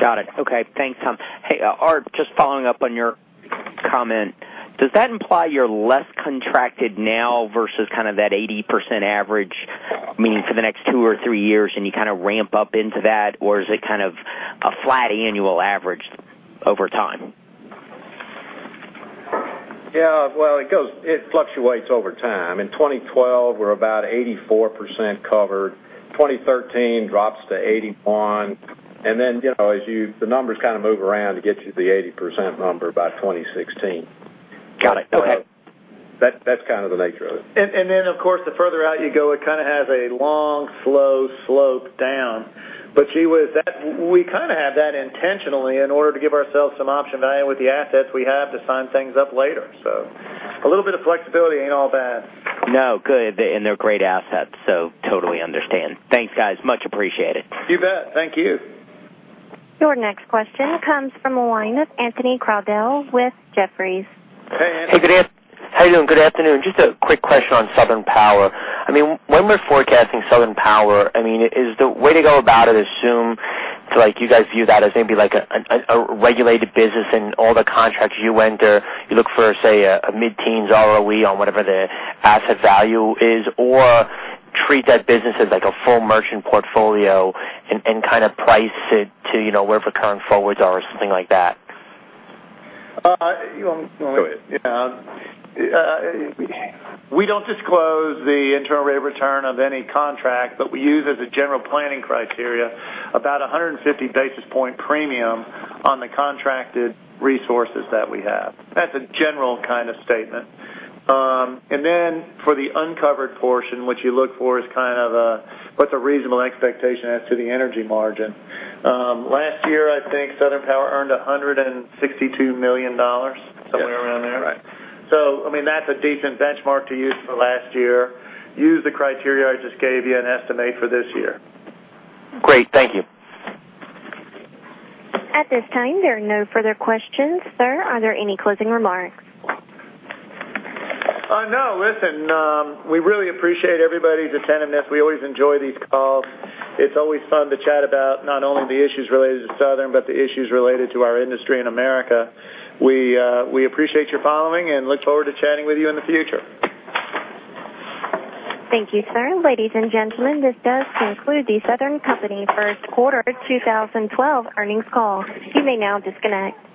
Got it. Okay. Thanks, Tom. Hey, just following up on your comment, does that imply you're less contracted now versus kind of that 80% average, meaning for the next two or three years and you kind of ramp up into that, or is it kind of a flat annual average over time? It fluctuates over time. In 2012, we're about 84% covered. 2013 drops to 81%. As the numbers kind of move around, it gets you to the 80% number by 2016. Got it. Go ahead. That's kind of the nature of it. Of course, the further out you go, it kind of has a long, slow slope down. We kind of have that intentionally in order to give ourselves some option value with the assets we have to sign things up later. A little bit of flexibility ain't all bad. Good, they're great assets. Totally understand. Thanks, guys. Much appreciated. You bet. Thank you. Your next question comes from a line of Anthony Crowdell with Jefferies. Hey, Dan. How are you doing? Good afternoon. Just a quick question on Southern Power. When we're forecasting Southern Power, is the way to go about it assume like you guys view that as maybe like a regulated business and all the contracts you enter, you look for, say, a mid-teens ROE on whatever the asset value is, or treat that business as like a full merchant portfolio and kind of price it to, you know, wherever current forwards are or something like that? We don't disclose the internal rate of return of any contract, but we use as a general planning criteria about a 150 basis point premium on the contracted resources that we have. That's a general kind of statement. For the uncovered portion, which you look for as kind of a what's a reasonable expectation as to the energy margin, last year, I think Southern Power earned $162 million, somewhere around there. Right. That's a decent benchmark to use for last year. Use the criteria I just gave you and estimate for this year. Great. Thank you. At this time, there are no further questions, sir. Are there any closing remarks? No. Listen, we really appreciate everybody's attentiveness. We always enjoy these calls. It's always fun to chat about not only the issues related to Southern Company, but the issues related to our industry in America. We appreciate your following and look forward to chatting with you in the future. Thank you, sir. Ladies and gentlemen, this does conclude The Southern Company First Quarter 2012 Earnings Call. You may now disconnect.